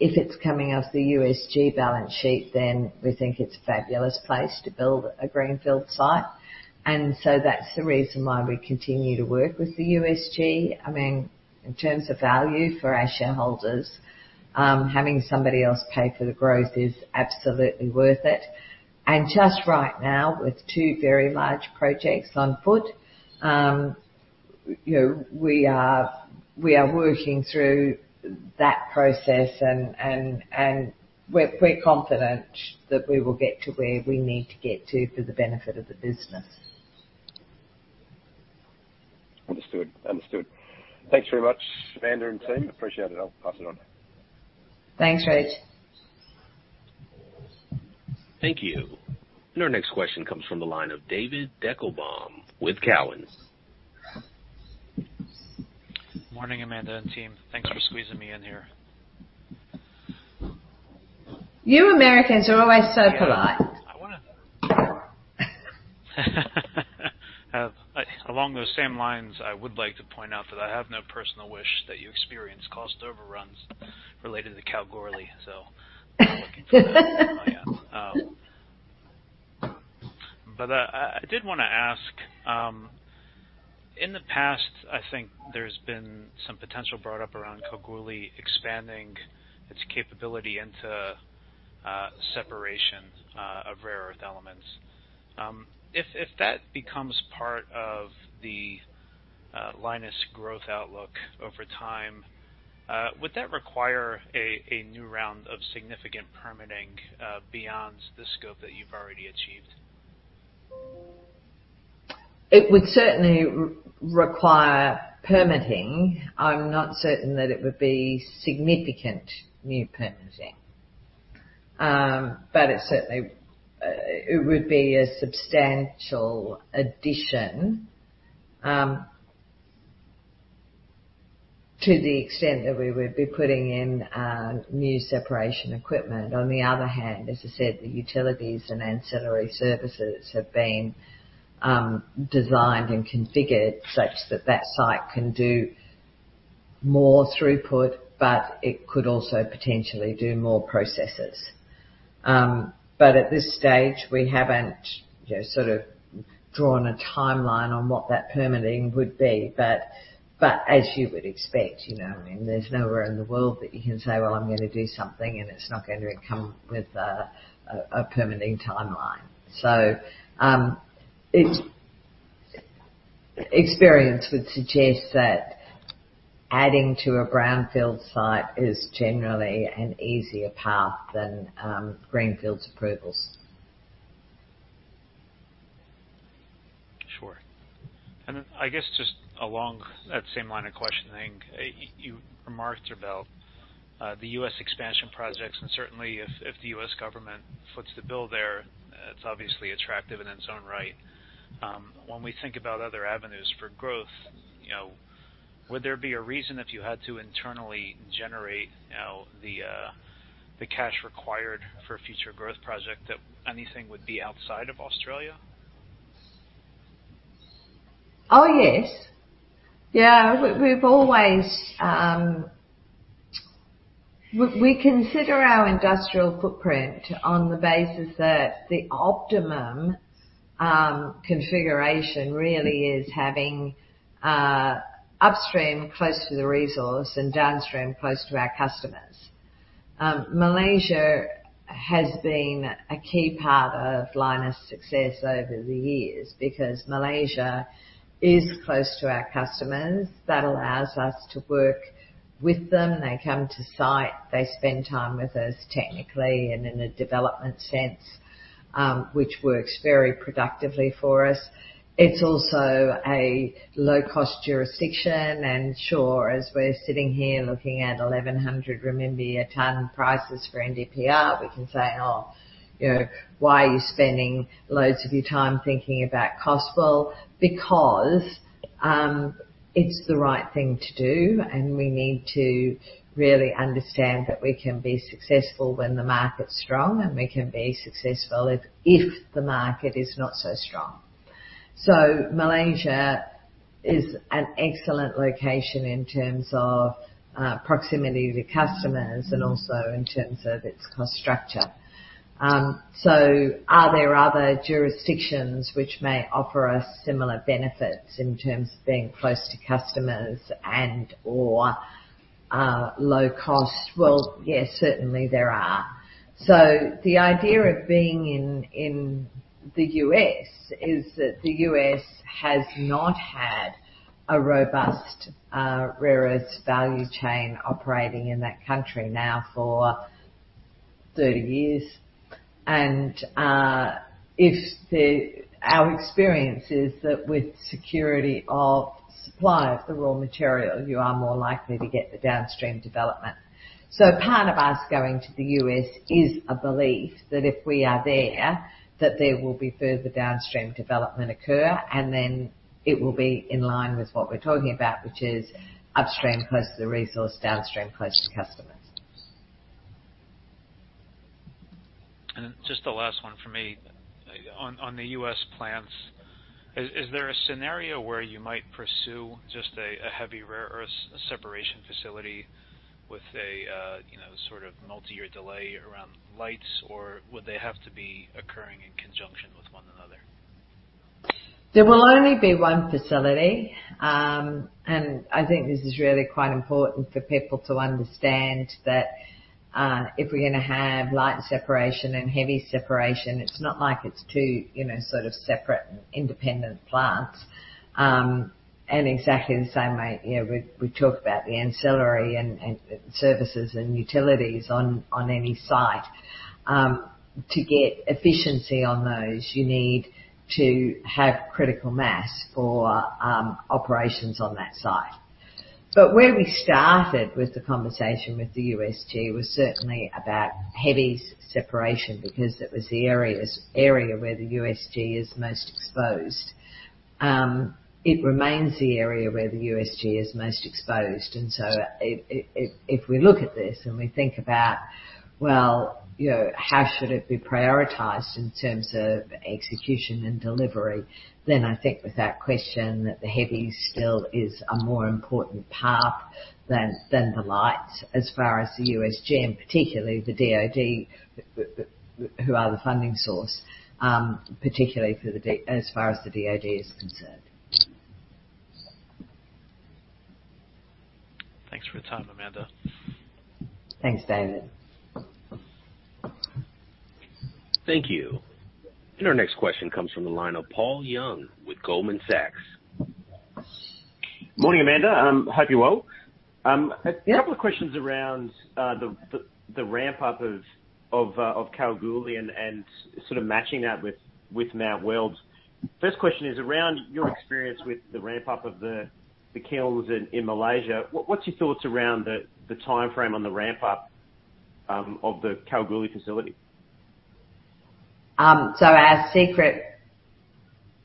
If it's coming off the USG balance sheet, then we think it's a fabulous place to build a greenfield site. That's the reason why we continue to work with the USG. I mean, in terms of value for our shareholders, having somebody else pay for the growth is absolutely worth it. Just right now with two very large projects on foot, you know, we are working through that process and we're confident that we will get to where we need to get to for the benefit of the business. Understood. Thanks very much, Amanda and team. Appreciate it. I'll pass it on. Thanks, Reg. Thank you. Our next question comes from the line of David Deckelbaum with Cowen. Morning, Amanda and team. Thanks for squeezing me in here. You Americans are always so polite. Along those same lines, I would like to point out that I have no personal wish that you experience cost overruns related to Kalgoorlie, not looking for that at all. Yeah. I did wanna ask, in the past, I think there's been some potential brought up around Kalgoorlie expanding its capability into separation of rare earth elements. If that becomes part of the Lynas growth outlook over time, would that require a new round of significant permitting beyond the scope that you've already achieved? It would certainly require permitting. I'm not certain that it would be significant new permitting. It certainly would be a substantial addition to the extent that we would be putting in new separation equipment. On the other hand, as I said, the utilities and ancillary services have been designed and configured such that that site can do more throughput, but it could also potentially do more processes. At this stage we haven't you know sort of drawn a timeline on what that permitting would be. As you would expect, you know what I mean? There's nowhere in the world that you can say, "Well, I'm gonna do something," and it's not gonna come with a permitting timeline. Experience would suggest that adding to a brownfield site is generally an easier path than Greenfields approvals. Sure. I guess just along that same line of questioning, you remarked about the U.S. expansion projects, and certainly if the U.S. government foots the bill there, it's obviously attractive in its own right. When we think about other avenues for growth, you know, would there be a reason if you had to internally generate, you know, the cash required for a future growth project that anything would be outside of Australia? Oh, yes. Yeah. We've always considered our industrial footprint on the basis that the optimum configuration really is having upstream close to the resource and downstream close to our customers. Malaysia has been a key part of Lynas' success over the years because Malaysia is close to our customers. That allows us to work with them. They come to site, they spend time with us technically and in a development sense, which works very productively for us. It's also a low-cost jurisdiction. Sure, as we're sitting here looking at 1,100 renminbi a ton prices for NdPr, we can say, "Oh, you know, why are you spending loads of your time thinking about cost?" Well, because it's the right thing to do, and we need to really understand that we can be successful when the market's strong, and we can be successful if the market is not so strong. Malaysia is an excellent location in terms of proximity to customers and also in terms of its cost structure. Are there other jurisdictions which may offer us similar benefits in terms of being close to customers and/or low cost? Well, yeah, certainly there are. The idea of being in the U.S. is that the U.S. has not had a robust rare earths value chain operating in that country now for 30 years. Our experience is that with security of supply of the raw material, you are more likely to get the downstream development. Part of us going to the U.S. is a belief that if we are there, that there will be further downstream development occur, and then it will be in line with what we're talking about, which is upstream close to the resource, downstream, close to customers. Just the last one from me. On the U.S. plants, is there a scenario where you might pursue just a heavy rare earths separation facility with a, you know, sort of multi-year delay around lights, or would they have to be occurring in conjunction with one another? There will only be one facility. I think this is really quite important for people to understand that, if we're gonna have light separation and heavy separation, it's not like it's two, you know, sort of separate and independent plants. Exactly the same way, you know, we talk about the ancillary and services and utilities on any site. To get efficiency on those, you need to have critical mass for operations on that site. Where we started with the conversation with the USG was certainly about heavy separation because it was the area where the USG is most exposed. It remains the area where the USG is most exposed. If we look at this and we think about, well, you know, how should it be prioritized in terms of execution and delivery, then I think without question that the heavy still is a more important path than the light as far as the USG, and particularly the DoD, who are the funding source, particularly for the DoD as far as the DoD is concerned. Thanks for the time, Amanda. Thanks, David. Thank you. Our next question comes from the line of Paul Young with Goldman Sachs. Morning, Amanda. Hope you're well. Yeah. A couple of questions around the ramp up of Kalgoorlie and sort of matching that with Mount Weld. First question is around your experience with the ramp up of the kilns in Malaysia. What's your thoughts around the timeframe on the ramp up of the Kalgoorlie facility? Our secret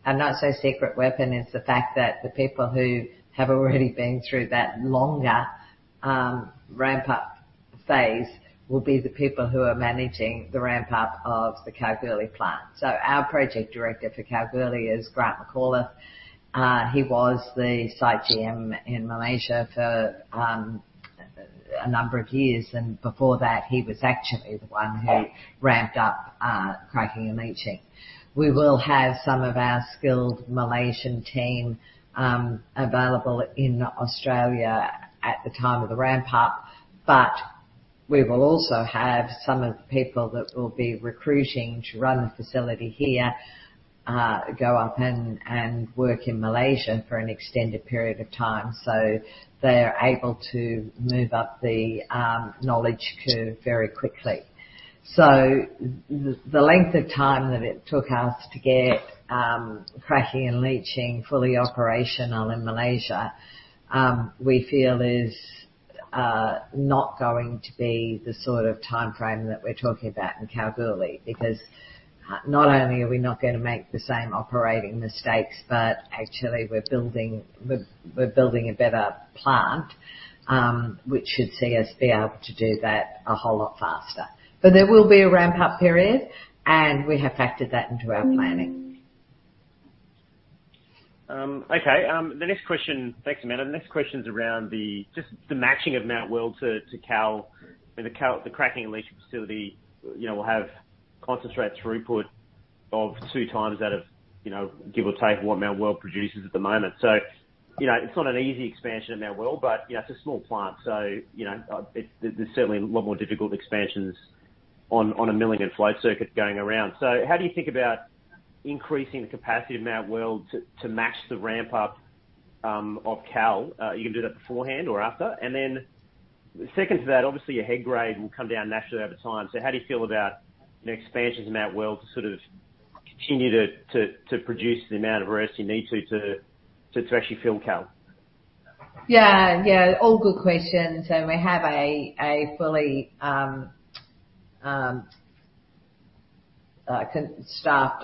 and not so secret weapon is the fact that the people who have already been through that longer ramp up phase will be the people who are managing the ramp up of the Kalgoorlie plant. Our project director for Kalgoorlie is Grant McAuliffe. He was the site GM in Malaysia for a number of years, and before that, he was actually the one who ramped up cracking and leaching. We will have some of our skilled Malaysian team available in Australia at the time of the ramp up, but we will also have some of the people that we'll be recruiting to run the facility here go up and work in Malaysia for an extended period of time. They're able to move up the knowledge curve very quickly. The length of time that it took us to get cracking and leaching fully operational in Malaysia we feel is not going to be the sort of timeframe that we're talking about in Kalgoorlie. Because not only are we not gonna make the same operating mistakes, but actually we're building a better plant, which should see us be able to do that a whole lot faster. There will be a ramp up period, and we have factored that into our planning. The next question... Thanks, Amanda. The next question is around the, just the matching of Mount Weld to Kal. The Kal, the cracking and leaching facility, you know, will have concentrate throughput of 2x out of, you know, give or take what Mount Weld produces at the moment. You know, it's not an easy expansion of Mount Weld, but, you know, it's a small plant. You know, there's certainly a lot more difficult expansions on a milling and float circuit going around. How do you think about increasing the capacity of Mount Weld to match the ramp up of Kal? Are you gonna do that beforehand or after? Second to that, obviously your head grade will come down naturally over time. How do you feel about, you know, expansions in Mount Weld to sort of continue to produce the amount of resource you need to actually fill Kal? All good questions, and we have a fully staffed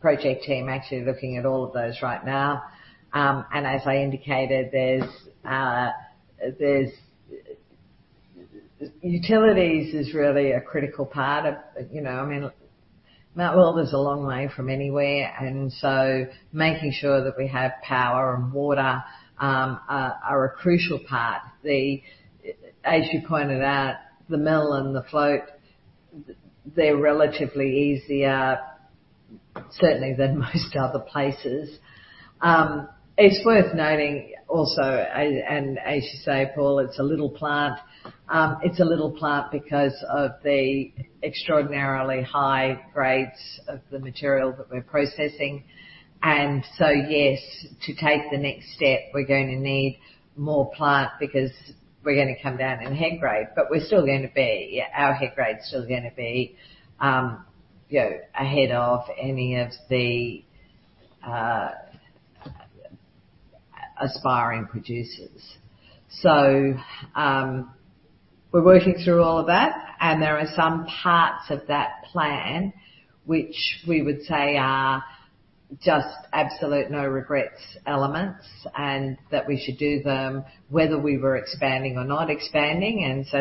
project team actually looking at all of those right now. As I indicated, utilities is really a critical part of, you know, I mean, Mount Weld is a long way from anywhere, and so making sure that we have power and water are a crucial part. As you pointed out, the mill and the float, they're relatively easier certainly than most other places. It's worth noting also, and as you say, Paul, it's a little plant. It's a little plant because of the extraordinarily high grades of the material that we're processing. Yes, to take the next step, we're going to need more plant because we're gonna come down in head grade. We're still gonna be, our head grade's still gonna be, you know, ahead of any of the aspiring producers. We're working through all of that, and there are some parts of that plan which we would say are just absolute no regrets elements and that we should do them whether we were expanding or not expanding. There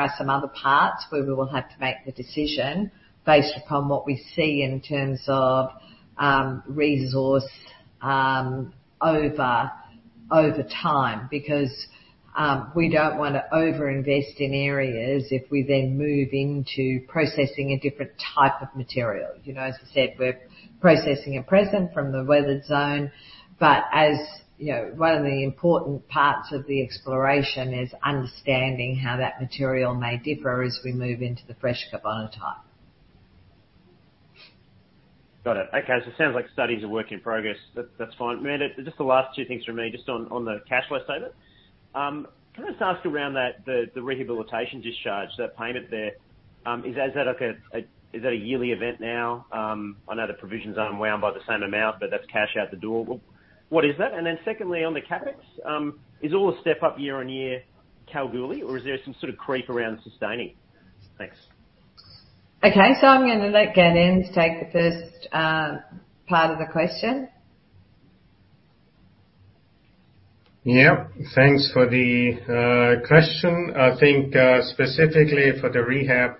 are some other parts where we will have to make the decision based upon what we see in terms of resource over time. Because we don't want to overinvest in areas if we then move into processing a different type of material. You know, as I said, we're processing at present from the weathered zone, but as, you know, one of the important parts of the exploration is understanding how that material may differ as we move into the fresh carbonatite. Got it. Okay. It sounds like studies are work in progress. That's fine. Amanda, just the last two things from me, just on the cash flow statement. Can I just ask around that, the rehabilitation discharge, that payment there, is that like a, is that a yearly event now? I know the provisions aren't wound by the same amount, but that's cash out the door. What is that? And then secondly, on the CapEx, is all the step up year-on-year Kalgoorlie, or is there some sort of creep around sustaining? Thanks. Okay. I'm gonna let Gaudenz take the first part of the question. Yeah. Thanks for the question. I think specifically for the rehab,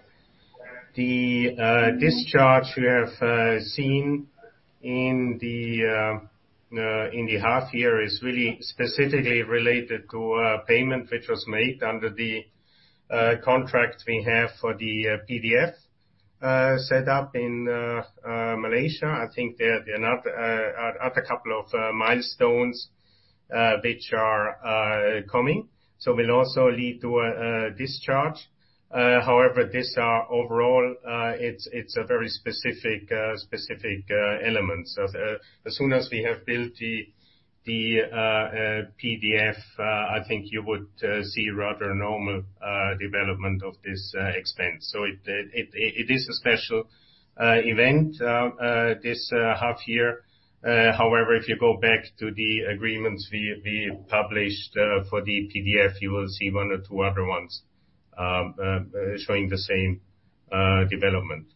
the discharge we have seen in the half year is really specifically related to a payment which was made under the contract we have for the PDF set up in Malaysia. I think there are another couple of milestones which are coming, so will also lead to a discharge. However, these are overall, it's a very specific element. As soon as we have built the PDF, I think you would see rather normal development of this expense. It is a special event this half year. However, if you go back to the agreements we published for the PDF, you will see one or two other ones showing the same development.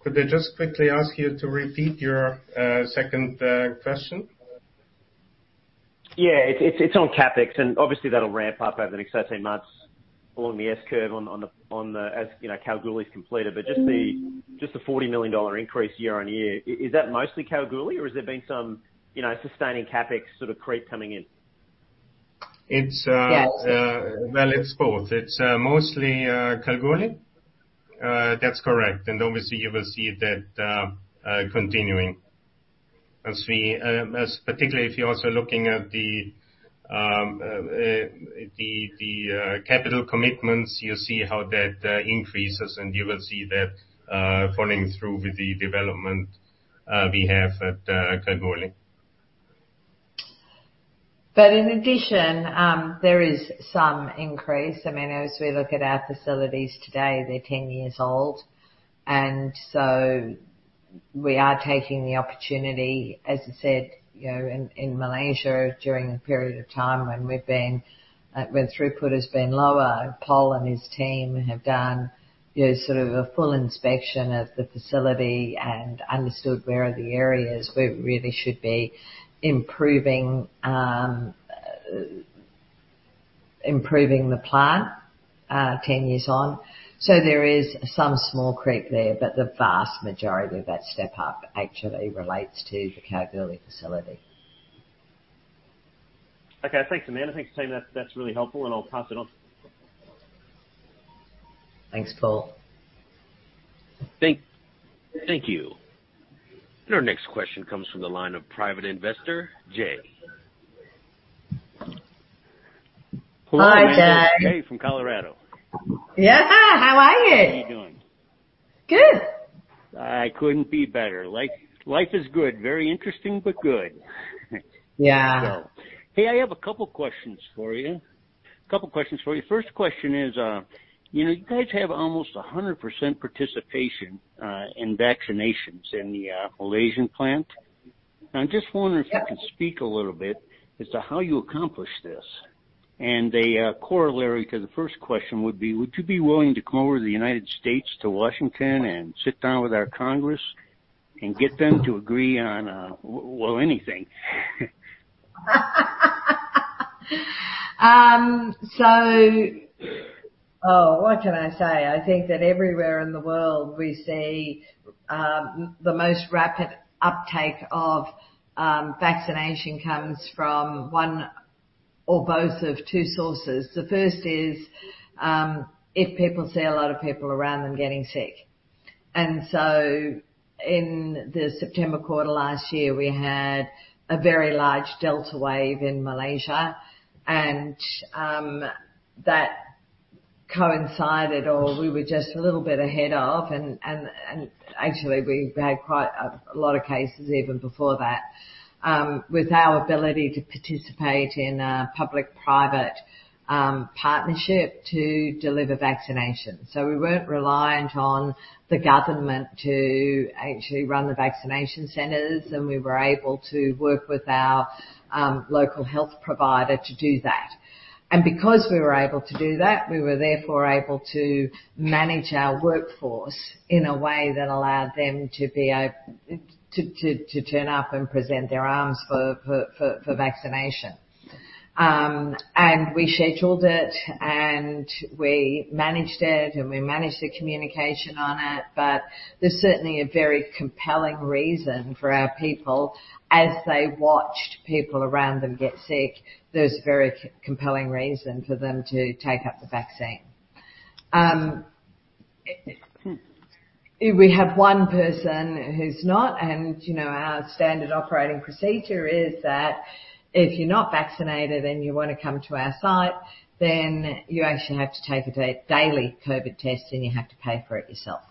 Could I just quickly ask you to repeat your second question? Yeah. It's on CapEx, and obviously that'll ramp up over the next 18 months along the S-curve, as you know, Kalgoorlie's completed. But just the $40 million increase year-on-year, is that mostly Kalgoorlie or has there been some, you know, sustaining CapEx sort of creep coming in? It's, uh- Yeah. Well, it's both. It's mostly Kalgoorlie. That's correct. Obviously you will see that continuing, particularly if you're also looking at the capital commitments. You'll see how that increases, and you will see that following through with the development we have at Kalgoorlie. In addition, there is some increase. I mean, as we look at our facilities today, they're ten years old, and so we are taking the opportunity, as I said, you know, in Malaysia during the period of time when we've been, when throughput has been lower, Pol and his team have done, you know, sort of a full inspection of the facility and understood where are the areas we really should be improving the plant, 10 years on. So there is some small creep there, but the vast majority of that step up actually relates to the Kalgoorlie facility. Okay. Thanks, Amanda. Thanks, team. That's really helpful, and I'll pass it on. Thanks, Paul. Thank you. Our next question comes from the line of private investor Jay. Hi, Jay. Hello, Amanda and Jay from Colorado. Yeah. How are you? How you doing? Good. I couldn't be better. Life is good. Very interesting, but good. Yeah. Hey, I have a couple questions for you. First question is, you know, you guys have almost 100% participation in vaccinations in the Malaysian plant. I'm just wondering. Yeah. If you can speak a little bit as to how you accomplished this. A corollary to the first question would be, would you be willing to come over to the United States to Washington and sit down with our Congress and get them to agree on, well, anything? What can I say? I think that everywhere in the world we see the most rapid uptake of vaccination comes from one or both of two sources. The first is if people see a lot of people around them getting sick. In the September quarter last year, we had a very large Delta wave in Malaysia. That coincided, or we were just a little bit ahead of, and actually we've had quite a lot of cases even before that with our ability to participate in a public-private partnership to deliver vaccinations. We weren't reliant on the government to actually run the vaccination centers, and we were able to work with our local health provider to do that. Because we were able to do that, we were therefore able to manage our workforce in a way that allowed them to turn up and present their arms for vaccination. We scheduled it, and we managed it, and we managed the communication on it. There's certainly a very compelling reason for our people as they watched people around them get sick. There's a very compelling reason for them to take up the vaccine. We have one person who's not, and you know, our standard operating procedure is that if you're not vaccinated and you wanna come to our site, then you actually have to take a daily COVID test, and you have to pay for it yourself.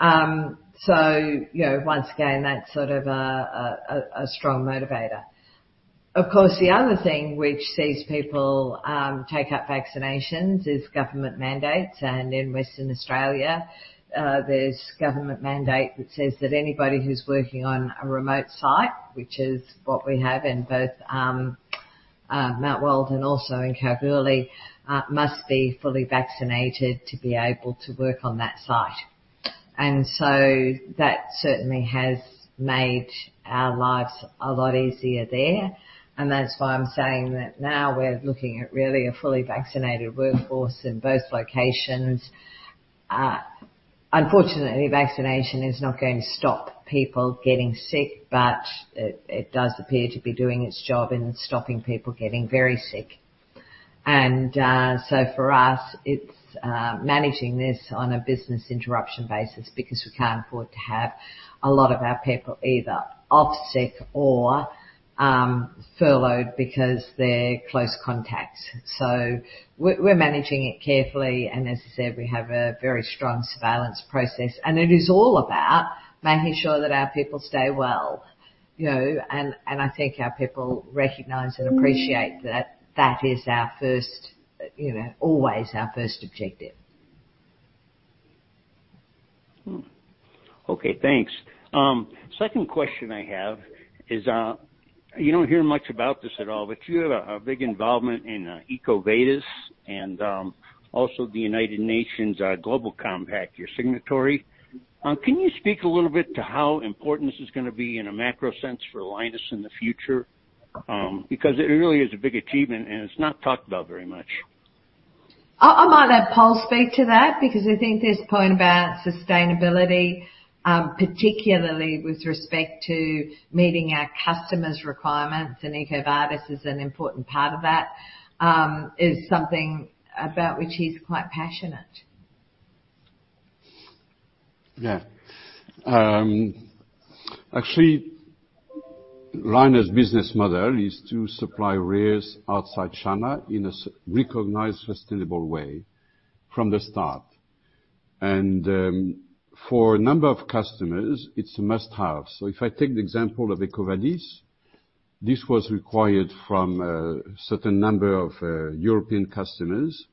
You know, once again, that's sort of a strong motivator. Of course, the other thing which sees people take up vaccinations is government mandates. In Western Australia, there's government mandate that says that anybody who's working on a remote site, which is what we have in both Mount Weld and also in Kalgoorlie, must be fully vaccinated to be able to work on that site. That certainly has made our lives a lot easier there, and that's why I'm saying that now we're looking at really a fully vaccinated workforce in both locations. Unfortunately, vaccination is not going to stop people getting sick, but it does appear to be doing its job in stopping people getting very sick. For us, it's managing this on a business interruption basis because we can't afford to have a lot of our people either off sick or furloughed because they're close contacts. We're managing it carefully, and as I said, we have a very strong surveillance process. It is all about making sure that our people stay well, you know. I think our people recognize and appreciate that that is our first, you know, always our first objective. Okay. Thanks. Second question I have is, you don't hear much about this at all, but you have a big involvement in EcoVadis and also the United Nations Global Compact, you're signatory. Can you speak a little bit to how important this is gonna be in a macro sense for Lynas in the future? Because it really is a big achievement, and it's not talked about very much. I'll let Pol speak to that because I think this point about sustainability, particularly with respect to meeting our customers' requirements, and EcoVadis is an important part of that, is something about which he's quite passionate. Yeah. Actually, Lynas' business model is to supply rare earths outside China in a recognized, sustainable way from the start. For a number of customers, it's a must-have. If I take the example of EcoVadis, this was required from a certain number of European customers.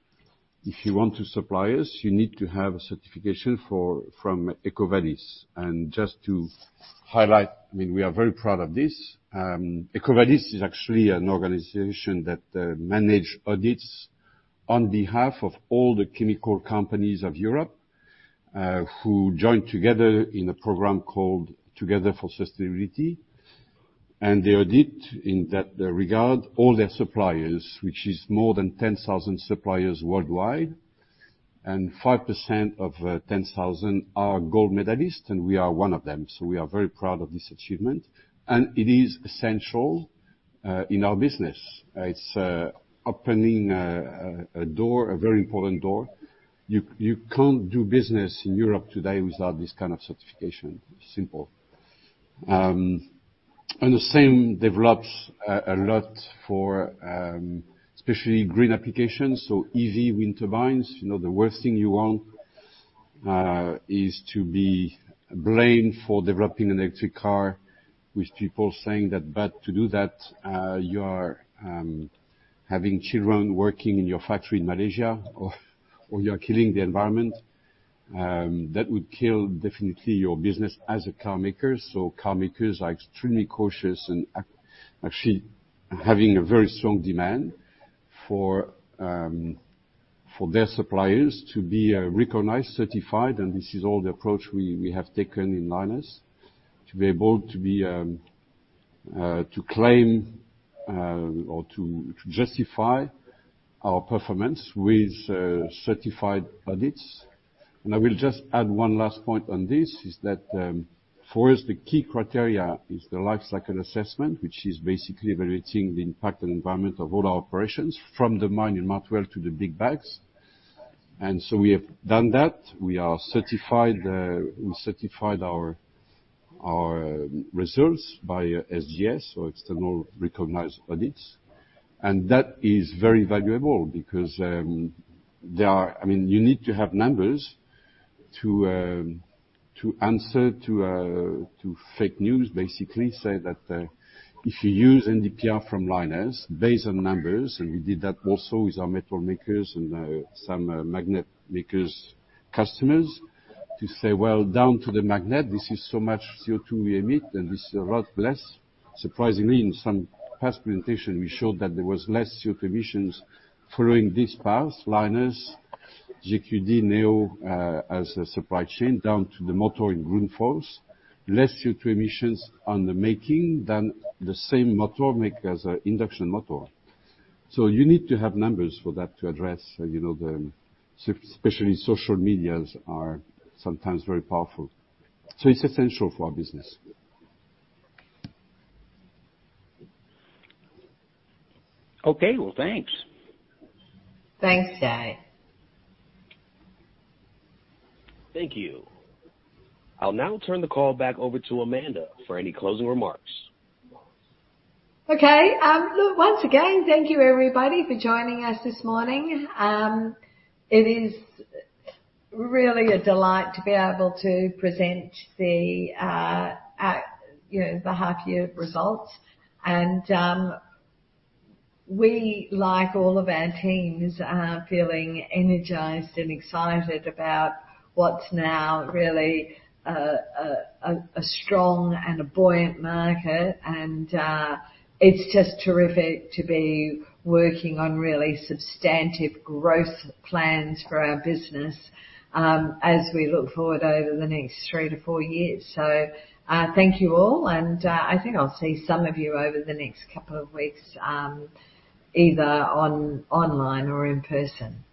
If you want to supply us, you need to have a certification from EcoVadis. Just to highlight, I mean, we are very proud of this. EcoVadis is actually an organization that manage audits on behalf of all the chemical companies of Europe who joined together in a program called Together for Sustainability. They audit in that regard all their suppliers, which is more than 10,000 suppliers worldwide, and 5% of 10,000 are gold medalist, and we are one of them. We are very proud of this achievement, and it is essential in our business. It's opening a door, a very important door. You can't do business in Europe today without this kind of certification. Simple. The same applies to a lot of especially green applications. EV, wind turbines, you know, the worst thing you want is to be blamed for developing an electric car with people saying that, "But to do that, you are having children working in your factory in Malaysia or you're killing the environment." That would kill definitely your business as a carmaker. Carmakers are extremely cautious and actually having a very strong demand for their suppliers to be recognized, certified. This is all the approach we have taken in Lynas to claim or to justify our performance with certified audits. I will just add one last point on this, is that for us, the key criteria is the life cycle assessment, which is basically evaluating the impact on the environment of all our operations from the mine in Mount Weld to the big bags. We have done that. We are certified, we certified our results by SGS, so external recognized audits. That is very valuable because there are. I mean, you need to have numbers to answer to fake news, basically. Say that if you use NdPr from Lynas based on numbers, and we did that also with our metal makers and some magnet makers customers to say, "Well, down to the magnet, this is so much CO2 we emit, and this is a lot less." Surprisingly, in some past presentation, we showed that there was less CO2 emissions following this path. Lynas, JL Mag, Neo, as a supply chain down to the motor in Grundfos, less CO2 emissions on the making than the same motor make as a induction motor. You need to have numbers for that to address, you know, the especially social media are sometimes very powerful. It's essential for our business. Okay. Well, thanks. Thanks, Jay. Thank you. I'll now turn the call back over to Amanda for any closing remarks. Okay. Look, once again, thank you everybody for joining us this morning. It is really a delight to be able to present, you know, the half year results. We, like all of our teams, are feeling energized and excited about what's now really a strong and a buoyant market. It's just terrific to be working on really substantive growth plans for our business, as we look forward over the next 3 years-4 years. Thank you all, and I think I'll see some of you over the next couple of weeks, either online or in person.